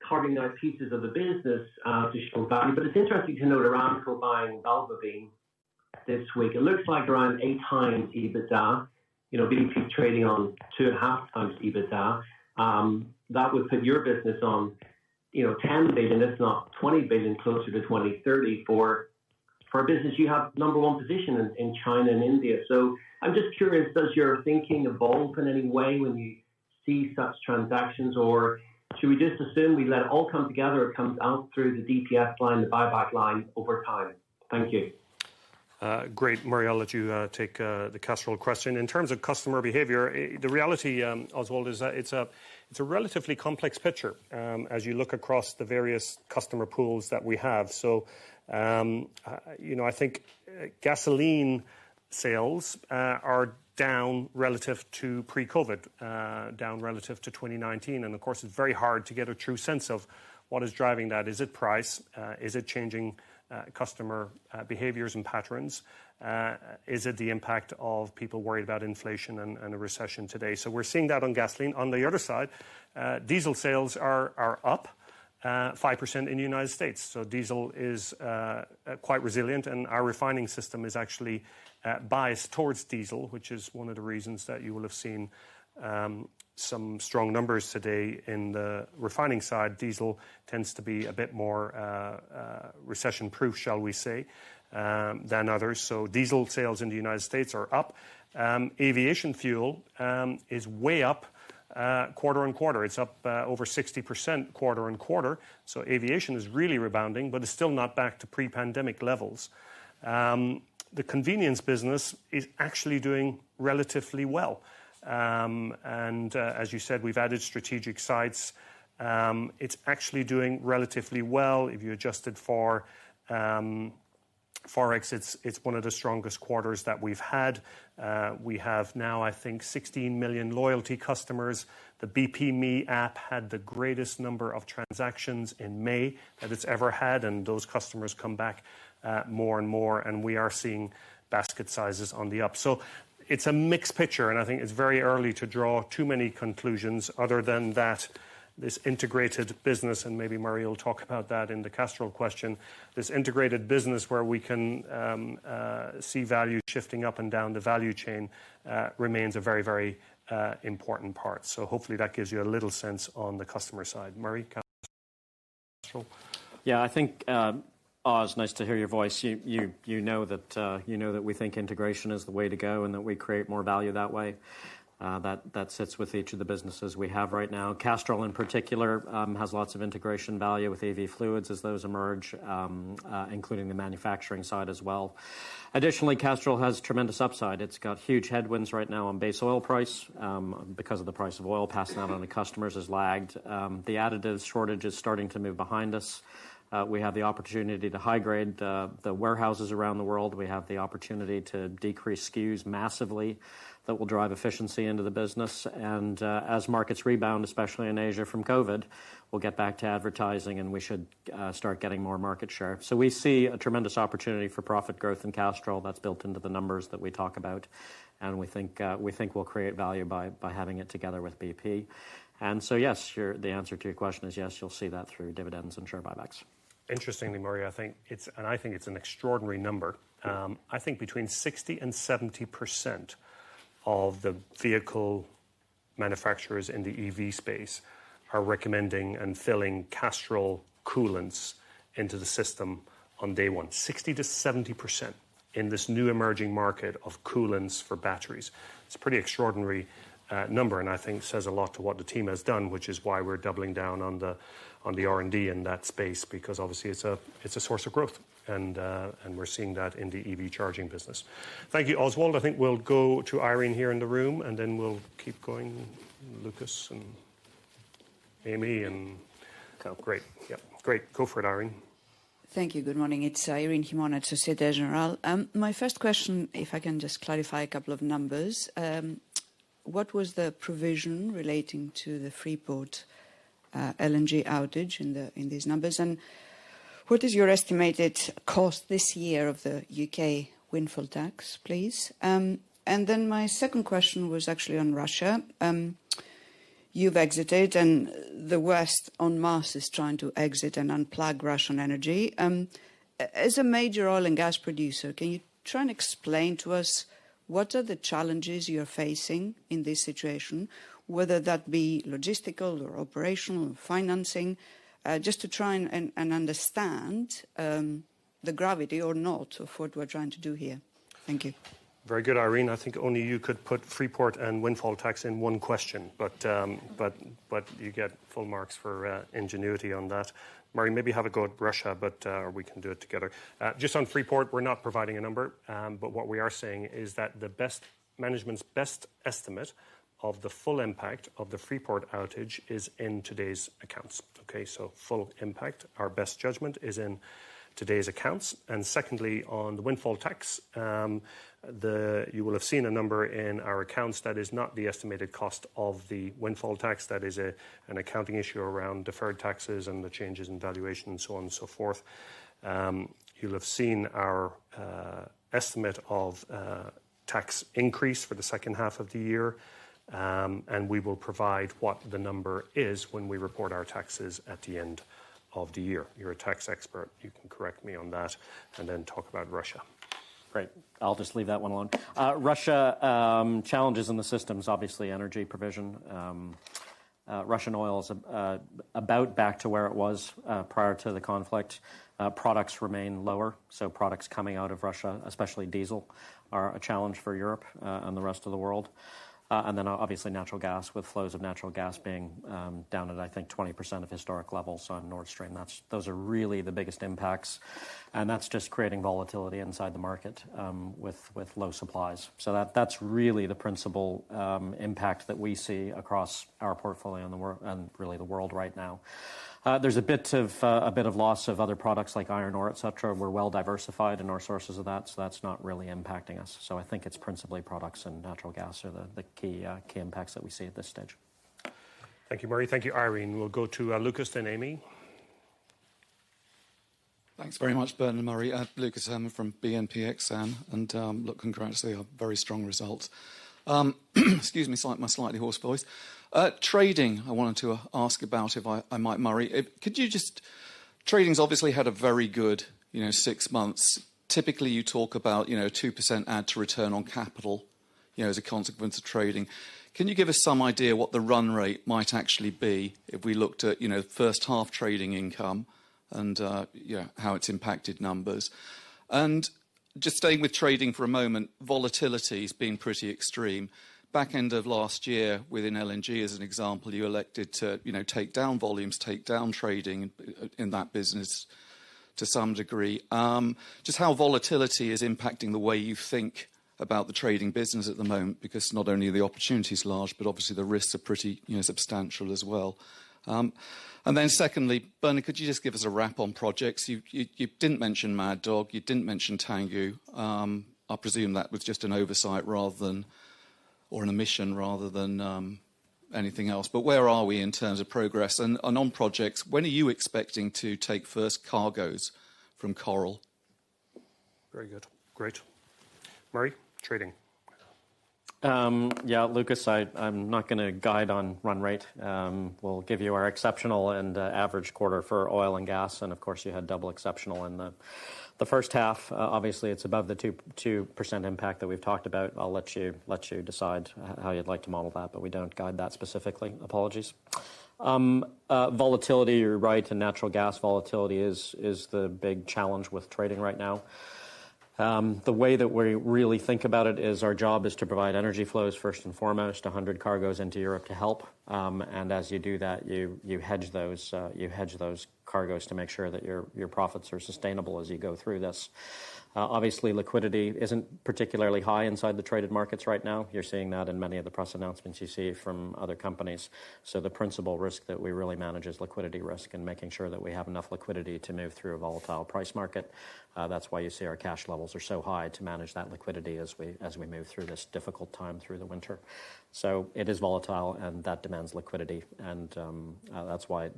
S9: carving out pieces of the business to show value, but it's interesting to note Aramco buying Valvoline this week. It looks like around 8x EBITDA. BP trading on 2.5x EBITDA. That would put your business on $10 billion if not $20 billion, closer to $20 billion-$30 billion for a business you have number one position in China and India. I'm just curious, does your thinking evolve in any way when you see such transactions, or should we just assume we let it all come together? It comes out through the DPS line, the buyback line over time. Thank you.
S2: Great. Murray, I'll let you take the Castrol question. In terms of customer behavior, the reality, Oswald, is that it's a relatively complex picture, as you look across the various customer pools that we have. I think gasoline sales are down relative to pre-COVID, down relative to 2019. Of course, it's very hard to get a true sense of what is driving that. Is it price? Is it changing customer behaviors and patterns? Is it the impact of people worried about inflation and a recession today? We're seeing that on gasoline. On the other side, diesel sales are up 5% in the United States. Diesel is quite resilient, and our refining system is actually biased towards diesel, which is one of the reasons that you will have seen some strong numbers today in the refining side. Diesel tends to be a bit more recession-proof, shall we say, than others. Diesel sales in the United States are up. Aviation fuel is way up quarter-on-quarter. It's up over 60% quarter-on-quarter. Aviation is really rebounding, but it's still not back to pre-pandemic levels. The convenience business is actually doing relatively well. As you said, we've added strategic sites. It's actually doing relatively well if you adjust it for Forex, it's one of the strongest quarters that we've had. We have now I think 16 million loyalty customers. The BPme app had the greatest number of transactions in May that it's ever had, and those customers come back more and more, and we are seeing basket sizes on the up. It's a mixed picture, and I think it's very early to draw too many conclusions other than that this integrated business, and maybe Murray will talk about that in the Castrol question, this integrated business where we can see value shifting up and down the value chain, remains a very, very important part. Hopefully that gives you a little sense on the customer side. Murray, Castrol?
S3: Yes. I think, Oswald, nice to hear your voice. You know that we think integration is the way to go and that we create more value that way. That sits with each of the businesses we have right now. Castrol in particular has lots of integration value with EV fluids as those emerge, including the manufacturing side as well. Additionally, Castrol has tremendous upside. It's got huge headwinds right now on base oil price because of the price of oil passing it on to customers has lagged. The additives shortage is starting to move behind us. We have the opportunity to high grade the warehouses around the world. We have the opportunity to decrease SKUs massively that will drive efficiency into the business. As markets rebound, especially in Asia from COVID, we'll get back to advertising and we should start getting more market share. We see a tremendous opportunity for profit growth in Castrol that's built into the numbers that we talk about, and we think we'll create value by having it together with BP. The answer to your question is yes, you'll see that through dividends and share buybacks.
S2: Interestingly, Murray, I think it's an extraordinary number. I think between 60% and 70% of the vehicle manufacturers in the EV space are recommending and filling Castrol coolants into the system on day one. 60%-70% in this new emerging market of coolants for batteries. It's a pretty extraordinary number and I think says a lot to what the team has done, which is why we're doubling down on the R&D in that space because obviously it's a source of growth and we're seeing that in the EV charging business. Thank you, Oswald. I think we'll go to Irene here in the room and then we'll keep going, Lucas and Amy. Great. Go for it, Irene.
S10: Thank you. Good morning. It's Irene Himona at Société Générale. My first question, if I can just clarify a couple of numbers. What was the provision relating to the Freeport LNG outage in these numbers? What is your estimated cost this year of the UK windfall tax, please? Then, my second question was actually on Russia. You've exited and the West en masse is trying to exit and unplug Russian energy. As a major oil and gas producer, can you try and explain to us what are the challenges you're facing in this situation, whether that be logistical or operational or financing? Just to try and understand the gravity or not of what we're trying to do here. Thank you.
S2: Very good, Irene. I think only you could put Freeport and windfall tax in one question, but you get full marks for ingenuity on that. Murray, maybe have a go at Russia, but we can do it together. Just on Freeport, we're not providing a number, but what we are saying is that management's best estimate of the full impact of the Freeport outage is in today's accounts. Full impact, our best judgment is in today's accounts. Secondly, on the windfall tax, you will have seen a number in our accounts. That is not the estimated cost of the windfall tax. That is an accounting issue around deferred taxes and the changes in valuation and so on and so forth. You'll have seen our estimate of tax increase for the second half of the year, and we will provide what the number is when we report our taxes at the end of the year. You're a tax expert, you can correct me on that and then talk about Russia.
S3: Great. I'll just leave that one alone. Russia, challenges in the system's obviously energy provision. Russian oil's about back to where it was prior to the conflict. Products remain lower, so products coming out of Russia, especially diesel, are a challenge for Europe and the rest of the world. Then obviously natural gas with flows of natural gas being down at I think 20% of historic levels on Nord Stream. Those are really the biggest impacts, and that's just creating volatility inside the market with low supplies. That's really the principal impact that we see across our portfolio and really the world right now. There's a bit of loss of other products like iron ore, etc. We're well diversified in our sources of that, so that's not really impacting us. I think it's principally products and natural gas are the key impacts that we see at this stage.
S2: Thank you, Murray. Thank you, Irene. We'll go to Lucas then Amy.
S11: Thanks very much, Bernard and Murray. Lucas Herrmann from BNP Exane. Look, congrats to your very strong results. Excuse me, my slightly hoarse voice. Trading, I wanted to ask about if I might, Murray. Trading's obviously had a very good, six months. Typically you talk about 2% add to return on capital, as a consequence of trading. Can you give us some idea what the run rate might actually be if we looked at first half trading income and how it's impacted numbers? Just staying with trading for a moment, volatility's been pretty extreme. Back end of last year within LNG as an example, you elected to take down volumes, take down trading in that business to some degree. Just how volatility is impacting the way you think about the trading business at the moment because not only are the opportunities large but obviously the risks are pretty substantial as well. Secondly, Bernard, could you just give us a wrap on projects? You didn't mention Mad Dog, you didn't mention Tangguh. I presume that was just an oversight rather than or an omission rather than anything else, but where are we in terms of progress? On projects, when are you expecting to take first cargoes from Coral?
S2: Very good. Great. Murray, trading.
S3: Lucas, I'm not going to guide on run rate. We'll give you our exceptional and average quarter for oil and gas, and of course, you had double exceptional in the first half. Obviously, it's above the 2% impact that we've talked about. I'll let you decide how you'd like to model that, but we don't guide that specifically. Apologies. Volatility, you're right, and natural gas volatility is the big challenge with trading right now. The way that we really think about it is our job is to provide energy flows first and foremost, 100 cargoes into Europe to help. As you do that, you hedge those cargoes to make sure that your profits are sustainable as you go through this. Obviously, liquidity isn't particularly high inside the traded markets right now. You're seeing that in many of the press announcements you see from other companies. The principal risk that we really manage is liquidity risk and making sure that we have enough liquidity to move through a volatile price market. That's why you see our cash levels are so high to manage that liquidity as we move through this difficult time through the winter. It is volatile and that demands liquidity and that's why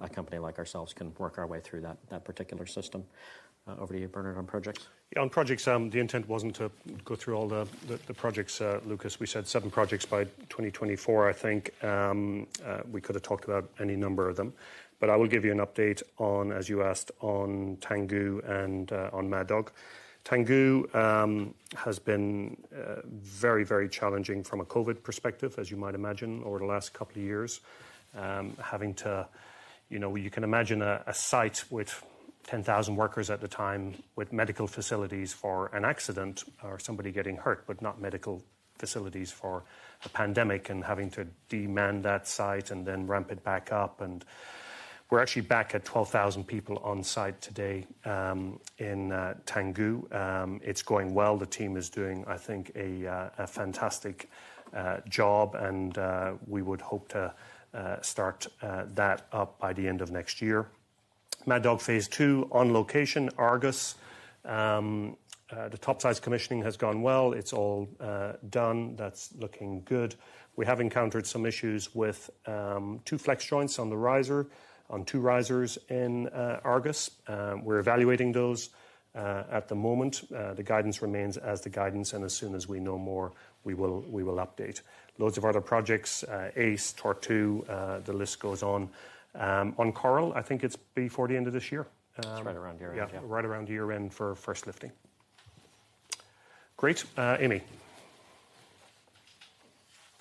S3: a company like ourselves can work our way through that particular system. Over to you, Bernard, on projects.
S2: Yes, on projects, the intent wasn't to go through all the projects, Lucas. We said seven projects by 2024, I think. We could have talked about any number of them. I will give you an update, as you asked, on Tangguh and on Mad Dog. Tangguh has been very challenging from a COVID perspective, as you might imagine, over the last couple of years. Having to you can imagine a site with 10,000 workers at the time with medical facilities for an accident or somebody getting hurt, but not medical facilities for a pandemic and having to de-man that site and then ramp it back up. We're actually back at 12,000 people on site today in Tangguh. It's going well. The team is doing a fantastic job and we would hope to start that up by the end of next year. Mad Dog Phase 2 on location, Argus. The topsides commissioning has gone well. It's all done. That's looking good. We have encountered some issues with two flex joints on the riser, on two risers in Argus. We're evaluating those. At the moment, the guidance remains as the guidance, and as soon as we know more, we will update. Loads of other projects, ACE, Tortue, and the list goes on. On Coral, I think it's before the end of this year.
S3: It's right around year-end.
S2: Yes, right around year-end for first lifting. Great. Amy.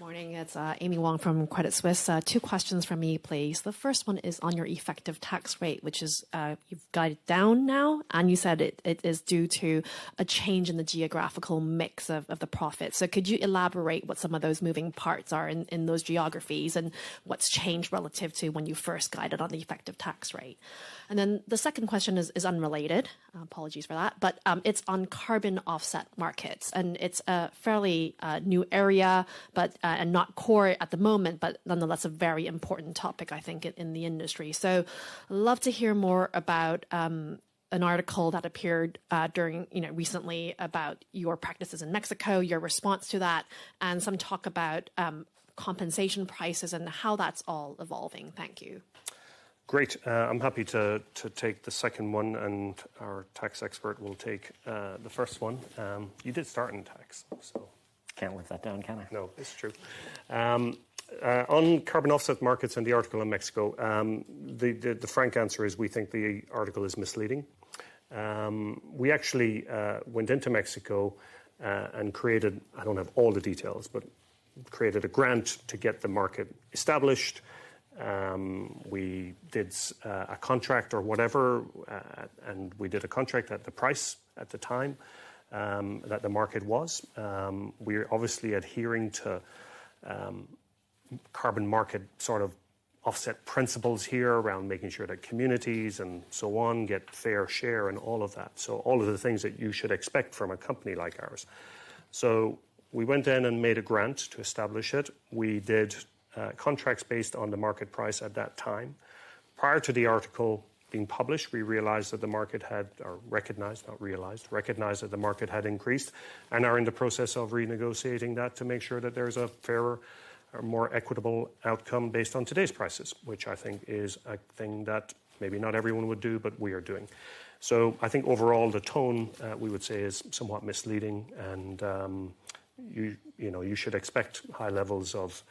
S12: Morning. It's Amy Wong from Credit Suisse. Two questions from me, please. The first one is on your effective tax rate, which you've guided down now, and you said it is due to a change in the geographical mix of the profit. Could you elaborate what some of those moving parts are in those geographies and what's changed relative to when you first guided on the effective tax rate? The second question is unrelated. Apologies for that. It's on carbon offset markets, and it's a fairly new area, but and not core at the moment, but nonetheless a very important topic in the industry. Love to hear more about an article that appeared recently about your practices in Mexico, your response to that, and some talk about compensation prices and how that's all evolving. Thank you.
S2: Great. I'm happy to take the second one, and our tax expert will take the first one. You did start in tax.
S3: Can't lock that down, can I?
S2: No, it's true. On carbon offset markets and the article in Mexico, the frank answer is we think the article is misleading. We actually went into Mexico and created a grant to get the market established. I don't have all the details. We did a contract or whatever at the price at the time that the market was. We're obviously adhering to carbon market offset principles here around making sure that communities and so on get fair share and all of that. All of the things that you should expect from a company like ours. We went in and made a grant to establish it. We did contracts based on the market price at that time. Prior to the article being published, we recognized that the market had increased and are in the process of renegotiating that to make sure that there's a fairer or more equitable outcome based on today's prices, which I think is a thing that maybe not everyone would do, but we are doing. I think overall the tone we would say is somewhat misleading and, you should expect high levels of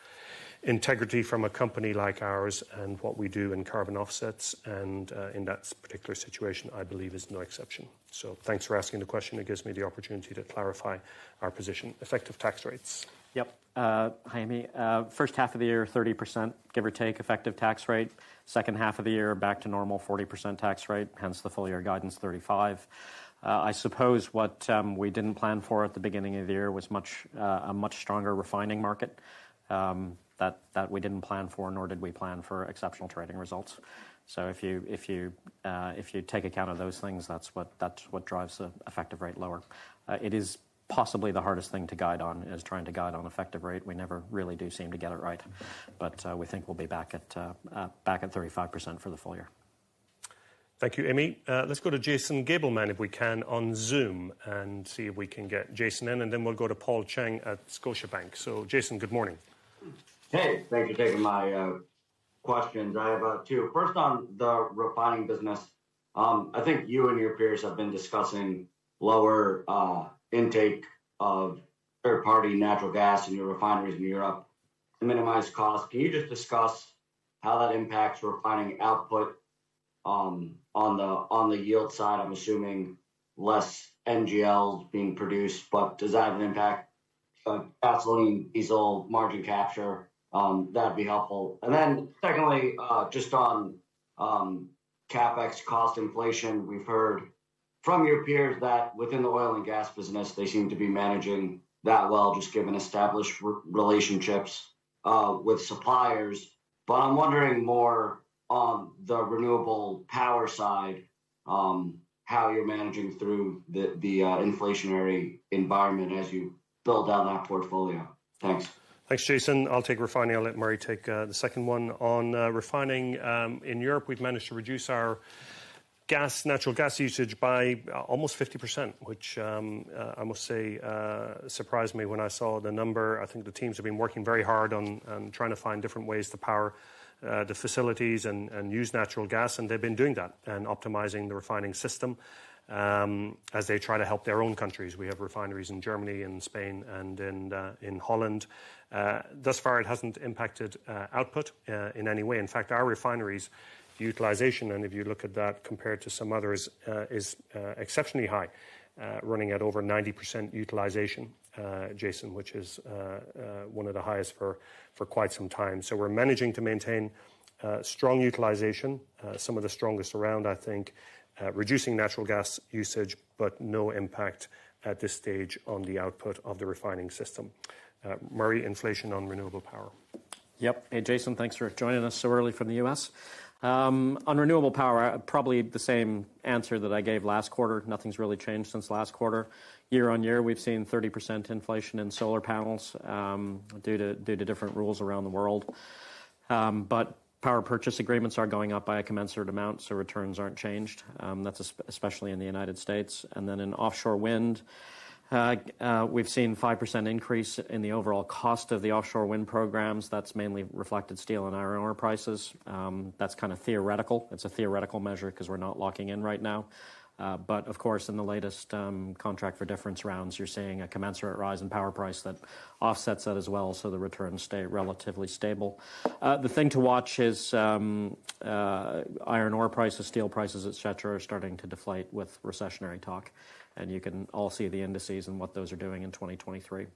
S2: integrity from a company like ours and what we do in carbon offsets and in that particular situation, I believe is no exception. Thanks for asking the question. It gives me the opportunity to clarify our position. Effective tax rates.
S3: Hi, Amy. First half of the year, 30%, give or take, effective tax rate. Second half of the year, back to normal 40% tax rate, hence the full year guidance 35%. I suppose what we didn't plan for at the beginning of the year was a much stronger refining market that we didn't plan for, nor did we plan for exceptional trading results. If you take account of those things, that's what drives the effective rate lower. It is possibly the hardest thing to guide on, trying to guide on effective rate. We never really do seem to get it right, but we think we'll be back at 35% for the full year.
S2: Thank you, Amy. Let's go to Jason Gabelman, if we can, on Zoom and see if we can get Jason in, and then we'll go to Paul Cheng at Scotiabank. Jason, good morning.
S13: Hey, thank you for taking my questions. I have two. First on the refining business. I think you and your peers have been discussing lower intake of third-party natural gas in your refineries in Europe to minimize costs. Can you just discuss how that impacts refining output on the yield side? I'm assuming less NGLs being produced, but does that have an impact on gasoline, diesel margin capture? That'd be helpful. Secondly, just on CapEx cost inflation, we've heard from your peers that within the oil and gas business they seem to be managing that well, just given established relationships with suppliers. I'm wondering more on the renewable power side how you're managing through the inflationary environment as you build out that portfolio. Thanks.
S2: Thanks, Jason. I'll take refining. I'll let Murray take the second one. On refining in Europe, we've managed to reduce our gas, natural gas usage by almost 50%, which I must say surprised me when I saw the number. I think the teams have been working very hard on trying to find different ways to power the facilities and use natural gas, and they've been doing that and optimizing the refining system as they try to help their own countries. We have refineries in Germany and Spain and in Holland. Thus far it hasn't impacted output in any way. In fact, our refineries utilization, and if you look at that compared to some others, is exceptionally high, running at over 90% utilization, Jason, which is one of the highest for quite some time. We're managing to maintain strong utilization, some of the strongest around I think, reducing natural gas usage, but no impact at this stage on the output of the refining system. Murray, inflation on renewable power.
S3: Hey, Jason, thanks for joining us so early from the U.S. On renewable power, probably the same answer that I gave last quarter. Nothing's really changed since last quarter. Year-on-year, we've seen 30% inflation in solar panels, due to different rules around the world, but power purchase agreements are going up by a commensurate amount, so returns aren't changed. That's especially in the United States. In offshore wind, we've seen 5% increase in the overall cost of the offshore wind programs. That's mainly reflected in steel and iron ore prices. That's theoretical. It's a theoretical measure because we're not locking in right now. Of course, in the latest contract for difference rounds, you're seeing a commensurate rise in power price that offsets that as well, so the returns stay relatively stable. The thing to watch is iron ore prices, steel prices, etc., are starting to deflate with recessionary talk, and you can all see the indices and what those are doing in 2023.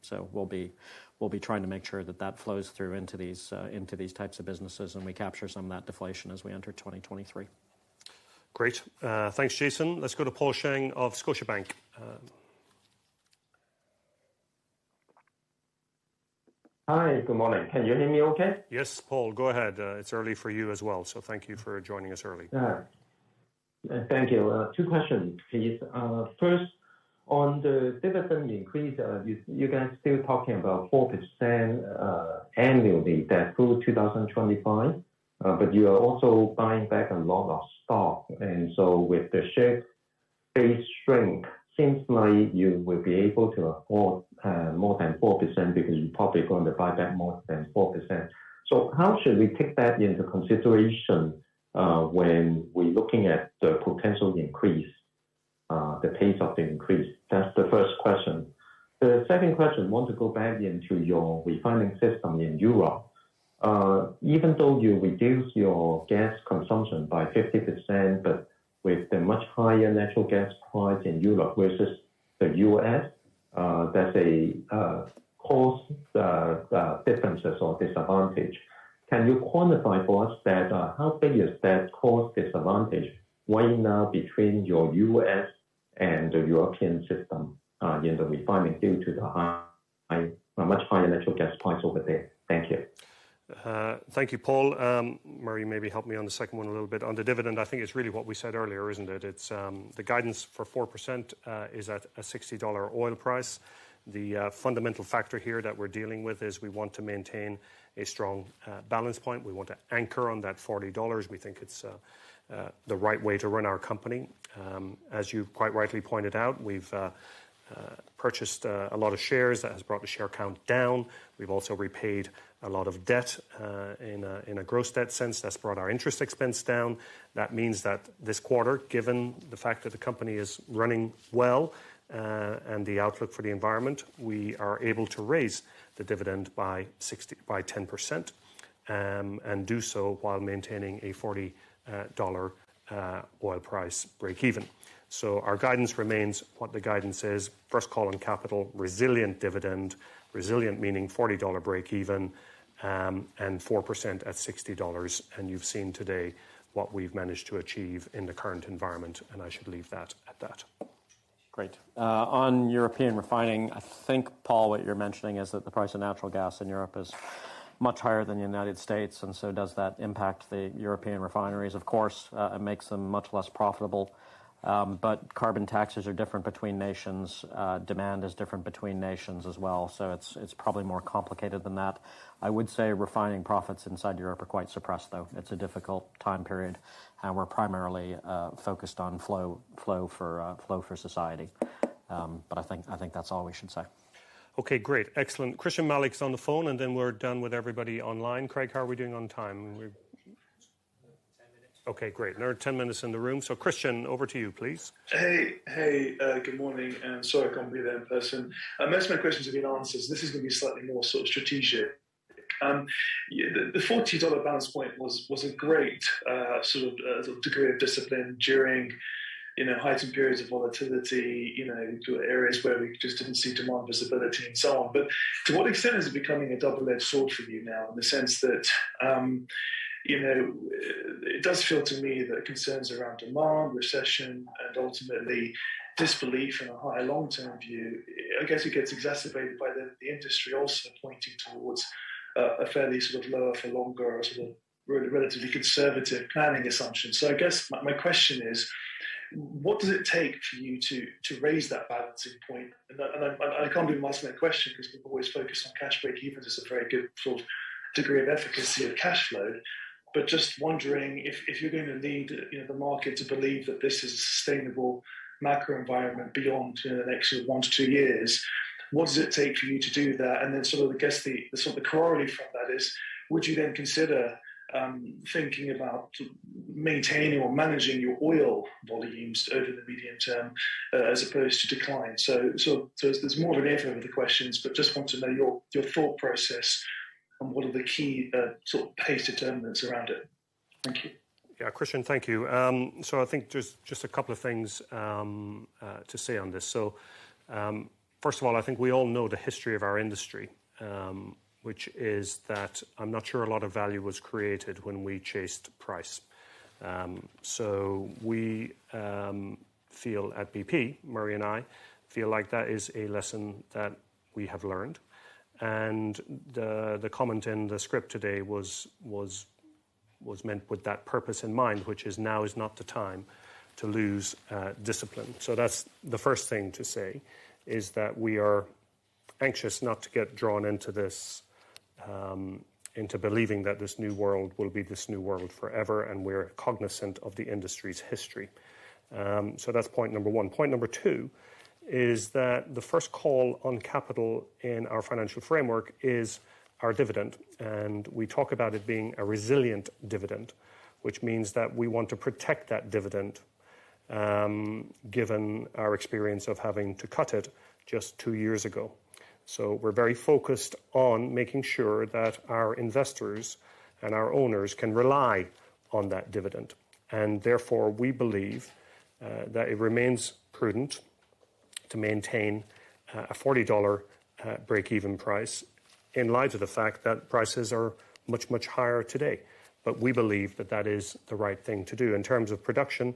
S3: We'll be trying to make sure that that flows through into these types of businesses, and we capture some of that deflation as we enter 2023.
S2: Great. Thanks, Jason. Let's go to Paul Cheng of Scotiabank.
S14: Hi. Good morning. Can you hear me okay?
S2: Yes, Paul, go ahead. It's early for you as well, so thank you for joining us early.
S14: Yes. Thank you. Two questions please. First, on the dividend increase, you guys still talking about 4% annually through 2025, but you are also buying back a lot of stock. With the share base shrink, seems like you will be able to afford more than 4% because you probably going to buy back more than 4%. How should we take that into consideration when we're looking at the potential increase, the pace of the increase? That's the first question. The second question, want to go back into your refining system in Europe. Even though you reduce your gas consumption by 50%, but with the much higher natural gas price in Europe versus the US, that's a cost differences or disadvantage. Can you quantify for us that, how big is that cost disadvantage weighing now between your U.S. and the European system, in the refining due to the much higher natural gas price over there? Thank you.
S2: Thank you, Paul. Murray, maybe help me on the second one a little bit. On the dividend, I think it's really what we said earlier, isn't it? The guidance for 4% is at a $60 oil price. The fundamental factor here that we're dealing with is we want to maintain a strong balance point. We want to anchor on that $40. We think it's the right way to run our company. As you've quite rightly pointed out, we've purchased a lot of shares. That has brought the share count down. We've also repaid a lot of debt in a gross debt sense. That's brought our interest expense down. That means that this quarter, given the fact that the company is running well, and the outlook for the environment, we are able to raise the dividend by 10%, and do so while maintaining a $40 oil price breakeven. Our guidance remains what the guidance is. First call on capital, resilient dividend, resilient meaning $40 breakeven, and 4% at $60. You've seen today what we've managed to achieve in the current environment, and I should leave that at that.
S3: Great. On European refining, I think, Paul, what you're mentioning is that the price of natural gas in Europe is much higher than the United States, and so does that impact the European refineries? Of course, it makes them much less profitable. Carbon taxes are different between nations. Demand is different between nations as well. It's probably more complicated than that. I would say refining profits inside Europe are quite suppressed, though. It's a difficult time period, and we're primarily focused on fuel for society. I think that's all we should say.
S2: Okay, great. Excellent. Christyan Malek is on the phone, and then we're done with everybody online. Craig, how are we doing on time? Okay, great. Another 10 minutes in the room. Christyan, over to you, please.
S15: Hey. Good morning, and sorry I can't be there in person. Most of my questions have been answered, so this is going to be slightly more strategic. The $40 balance point was a great degree of discipline during, heightened periods of volatility into areas where we just didn't see demand visibility and so on. To what extent is it becoming a double-edged sword for you now in the sense that, it does feel to me that concerns around demand, recession, and ultimately disbelief in a high long-term view, I guess it gets exacerbated by the industry also pointing towards a fairly lower for longer relatively conservative planning assumptions. I guess my question is, what does it take for you to raise that balancing point? I can't do much of my question because people always focus on cash breakevens as a very good degree of efficacy of cash flow. Just wondering if you're going to need, the market to believe that this is a sustainable macro environment beyond the next one to two years, what does it take for you to do that? Then I guess the corollary from that is, would you then consider thinking about maintaining or managing your oil volumes over the medium-term, as opposed to decline? It's more of an echo of the questions, but just want to know your thought process and what are the key pace determinants around it. Thank you.
S2: Christyan, thank you. I think just a couple of things to say on this. First of all, I think we all know the history of our industry, which is that I'm not sure a lot of value was created when we chased price. We feel at BP, Murray and I, feel like that is a lesson that we have learned. The comment in the script today was meant with that purpose in mind, which is now not the time to lose discipline. That's the first thing to say, is that we are anxious not to get drawn into this, into believing that this new world will be this new world forever, and we're cognizant of the industry's history. That's point number one. Point number two is that the first call on capital in our financial framework is our dividend, and we talk about it being a resilient dividend, which means that we want to protect that dividend, given our experience of having to cut it just two years ago. We're very focused on making sure that our investors and our owners can rely on that dividend. Therefore, we believe that it remains prudent to maintain a $40 break-even price in light of the fact that prices are much, much higher today. We believe that that is the right thing to do. In terms of production,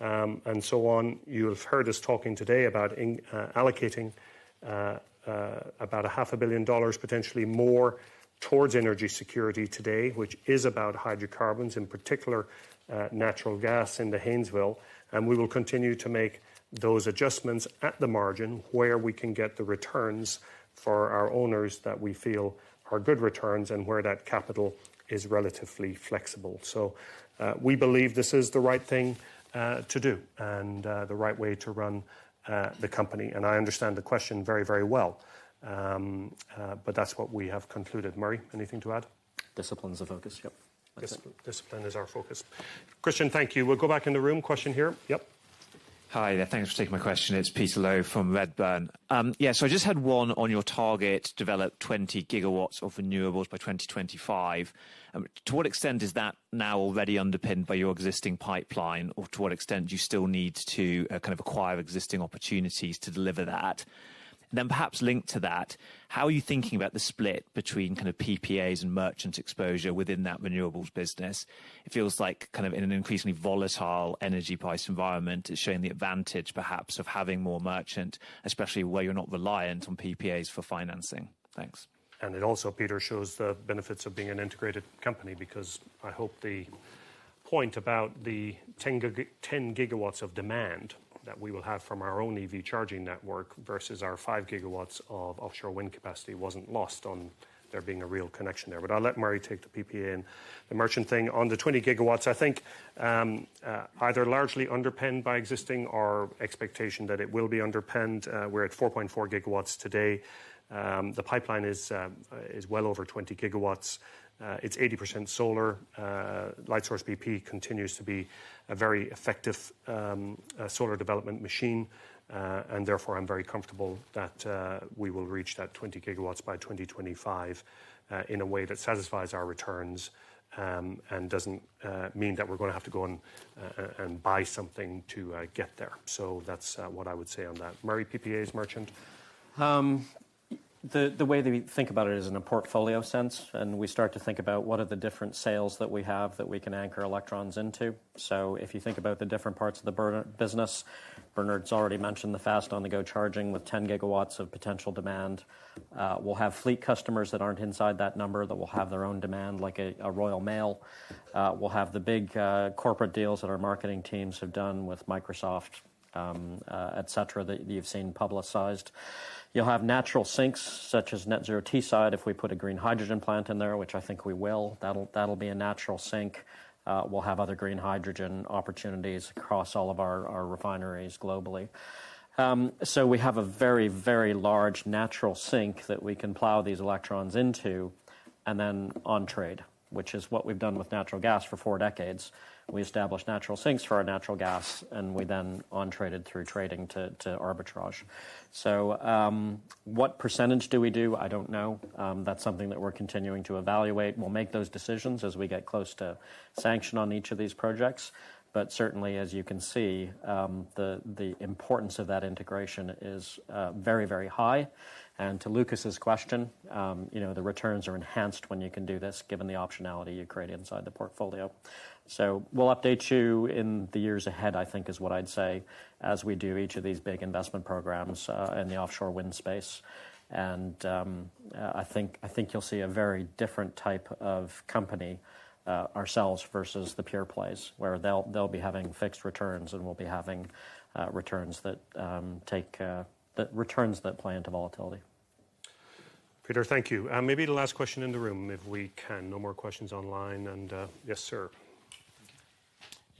S2: and so on, you have heard us talking today about allocating about half a billion dollars, potentially more towards energy security today, which is about hydrocarbons, in particular, natural gas into Haynesville. We will continue to make those adjustments at the margin where we can get the returns for our owners that we feel are good returns and where that capital is relatively flexible. We believe this is the right thing to do and the right way to run the company. I understand the question very, very well. But that's what we have concluded. Murray, anything to add?
S3: Discipline is our focus.
S2: Discipline is our focus. Christyan, thank you. We'll go back in the room. Question here.
S16: Hi there. Thanks for taking my question. It's Peter Low from Redburn. I just had one on your target, develop 20 GW of renewables by 2025. To what extent is that now already underpinned by your existing pipeline, or to what extent do you still need to acquire existing opportunities to deliver that? Then perhaps linked to that, how are you thinking about the split between PPAs and merchant exposure within that renewables business? It feels like in an increasingly volatile energy price environment, it's showing the advantage perhaps of having more merchant, especially where you're not reliant on PPAs for financing. Thanks.
S2: It also, Peter, shows the benefits of being an integrated company because I hope the point about the 10 GW of demand that we will have from our own EV charging network versus our 5 GW of offshore wind capacity wasn't lost on there being a real connection there. I'll let Murray take the PPA and the merchant thing. On the 20 GW, I think, either largely underpinned by existing or expectation that it will be underpinned. We're at 4.4 GW today. The pipeline is well over 20 GW. It's 80% solar. Lightsource BP continues to be a very effective solar development machine. Therefore, I'm very comfortable that we will reach that 20 GW by 2025, in a way that satisfies our returns, and doesn't mean that we're going to have to go and buy something to get there. That's what I would say on that. Murray, PPAs merchant?
S3: The way that we think about it is in a portfolio sense, and we start to think about what are the different sales that we have that we can anchor electrons into. If you think about the different parts of the BP business, Bernard's already mentioned the fast on-the-go charging with 10 GW of potential demand. We'll have fleet customers that aren't inside that number that will have their own demand, like Royal Mail. We'll have the big corporate deals that our marketing teams have done with Microsoft, et cetera, that you've seen publicized. You'll have natural sinks such as Net Zero Teesside. If we put a green hydrogen plant in there, which I think we will, that'll be a natural sink. We'll have other green hydrogen opportunities across all of our refineries globally. We have a very, very large natural sink that we can plow these electrons into and then on trade, which is what we've done with natural gas for four decades. We established natural sinks for our natural gas, and we then on traded through trading to arbitrage. What percentage do we do? I don't know. That's something that we're continuing to evaluate. We'll make those decisions as we get close to sanction on each of these projects. Certainly, as you can see, the importance of that integration is very, very high. To Lucas's question, the returns are enhanced when you can do this, given the optionality you create inside the portfolio. We'll update you in the years ahead, I think, is what I'd say as we do each of these big investment programs in the offshore wind space. I think you'll see a very different type of company, ourselves versus the pure plays, where they'll be having fixed returns and we'll be having returns that play into volatility.
S2: Peter, thank you. Maybe the last question in the room, if we can. No more questions online. Yes, sir.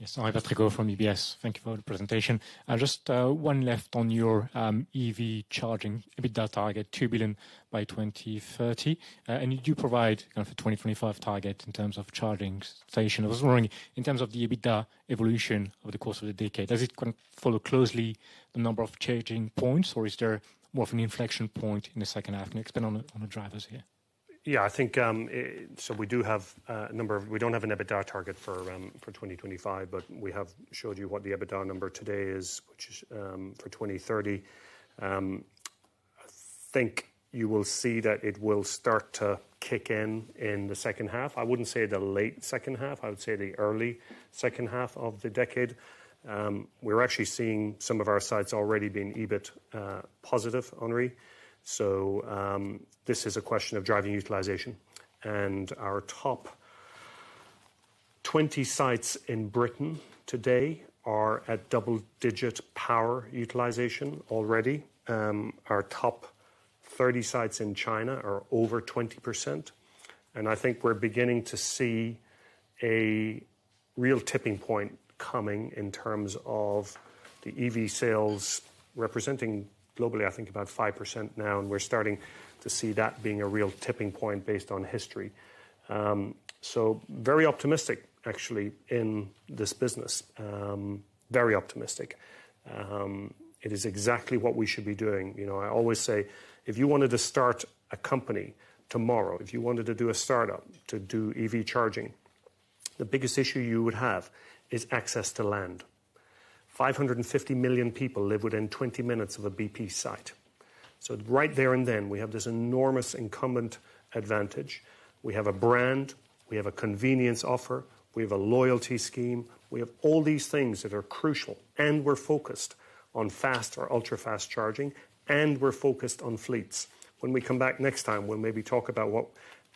S17: Yes. Henri Patricot from UBS. Thank you for the presentation. Just one left on your EV charging EBITDA target, $2 billion by 2030. You do provide a 2025 target in terms of charging station. I was wondering, in terms of the EBITDA evolution over the course of the decade, does it follow closely the number of charging points, or is there more of an inflection point in the second half? Expand on the drivers here.
S2: Yes, I think, so we do have a number of. We don't have an EBITDA target for 2025, but we have showed you what the EBITDA number today is, which is for 2030. I think you will see that it will start to kick in in the second half. I wouldn't say the late second half, I would say the early second half of the decade. We're actually seeing some of our sites already being EBIT positive, Henri. This is a question of driving utilization. Our top 20 sites in Britain today are at double-digit power utilization already. Our top 30 sites in China are over 20%. I think we're beginning to see a real tipping point coming in terms of the EV sales representing globally, I think about 5% now, and we're starting to see that being a real tipping point based on history. Very optimistic actually in this business. Very optimistic. It is exactly what we should be doing. I always say if you wanted to start a company tomorrow, if you wanted to do a startup to do EV charging, the biggest issue you would have is access to land. 550 million people live within 20 minutes of a BP site. Right there and then, we have this enormous incumbent advantage. We have a brand, we have a convenience offer, we have a loyalty scheme, we have all these things that are crucial, and we're focused on fast or ultra-fast charging, and we're focused on fleets. When we come back next time, we'll maybe talk about what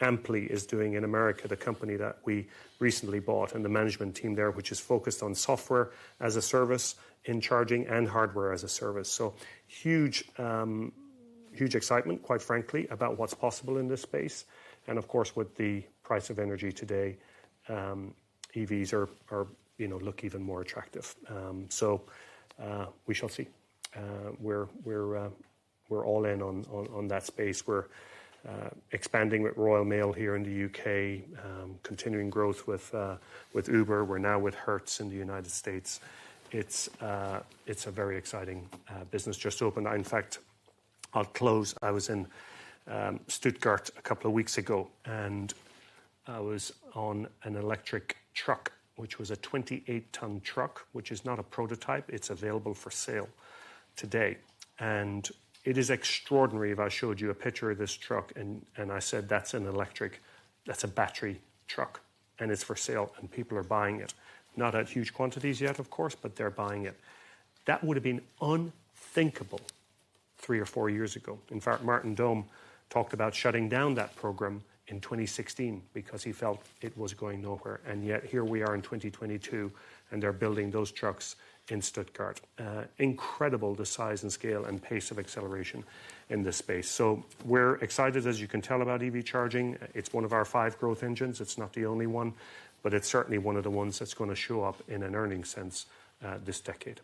S2: Amply is doing in America, the company that we recently bought and the management team there, which is focused on Software-as-a-Service in charging and Hardware-as-a-Service. Huge excitement, quite frankly, about what's possible in this space. Of course, with the price of energy today, EVs look even more attractive. We shall see. We're all in on that space. We're expanding with Royal Mail here in the U.K., continuing growth with Uber. We're now with Hertz in the United States. It's a very exciting business just opened. In fact, I'll close. I was in Stuttgart a couple of weeks ago, and I was on an electric truck, which was a 28-ton truck, which is not a prototype. It's available for sale today. It is extraordinary if I showed you a picture of this truck and I said, "That's a battery truck, and it's for sale, and people are buying it." Not at huge quantities yet, of course, but they're buying it. That would have been unthinkable three or four years ago. In fact, Martin Daum talked about shutting down that program in 2016 because he felt it was going nowhere. Yet here we are in 2022, and they're building those trucks in Stuttgart. Incredible the size and scale and pace of acceleration in this space. We're excited, as you can tell, about EV charging. It's one of our five growth engines. It's not the only one, but it's certainly one of the ones that's going to show up in an earnings sense, this decade.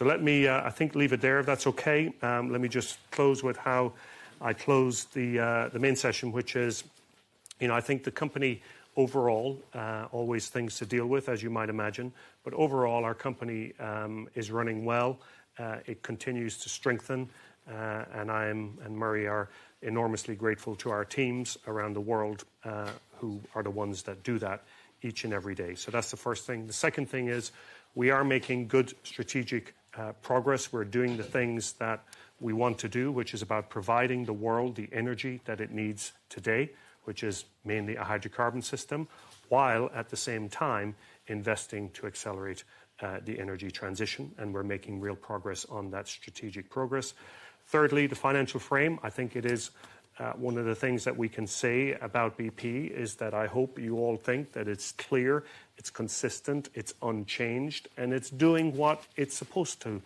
S2: Let me, I think leave it there if that's okay. Let me just close with how I closed the main session, which is, I think the company overall, always things to deal with, as you might imagine. Overall, our company is running well. It continues to strengthen. Murray and I are enormously grateful to our teams around the world, who are the ones that do that each and every day. That's the first thing. The second thing is we are making good strategic progress. We're doing the things that we want to do, which is about providing the world the energy that it needs today, which is mainly a hydrocarbon system, while at the same time investing to accelerate the energy transition, and we're making real progress on that strategic progress. Thirdly, the financial frame. I think it is one of the things that we can say about BP is that I hope you all think that it's clear, it's consistent, it's unchanged, and it's doing what it's supposed to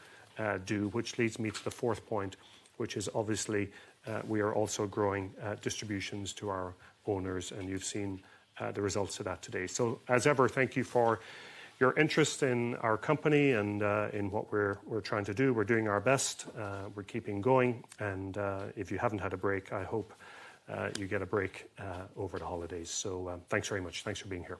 S2: do, which leads me to the fourth point, which is obviously we are also growing distributions to our owners, and you've seen the results of that today. As ever, thank you for your interest in our company and in what we're trying to do. We're doing our best. We're keeping going. If you haven't had a break, I hope you get a break over the holidays. Thanks very much. Thanks for being here.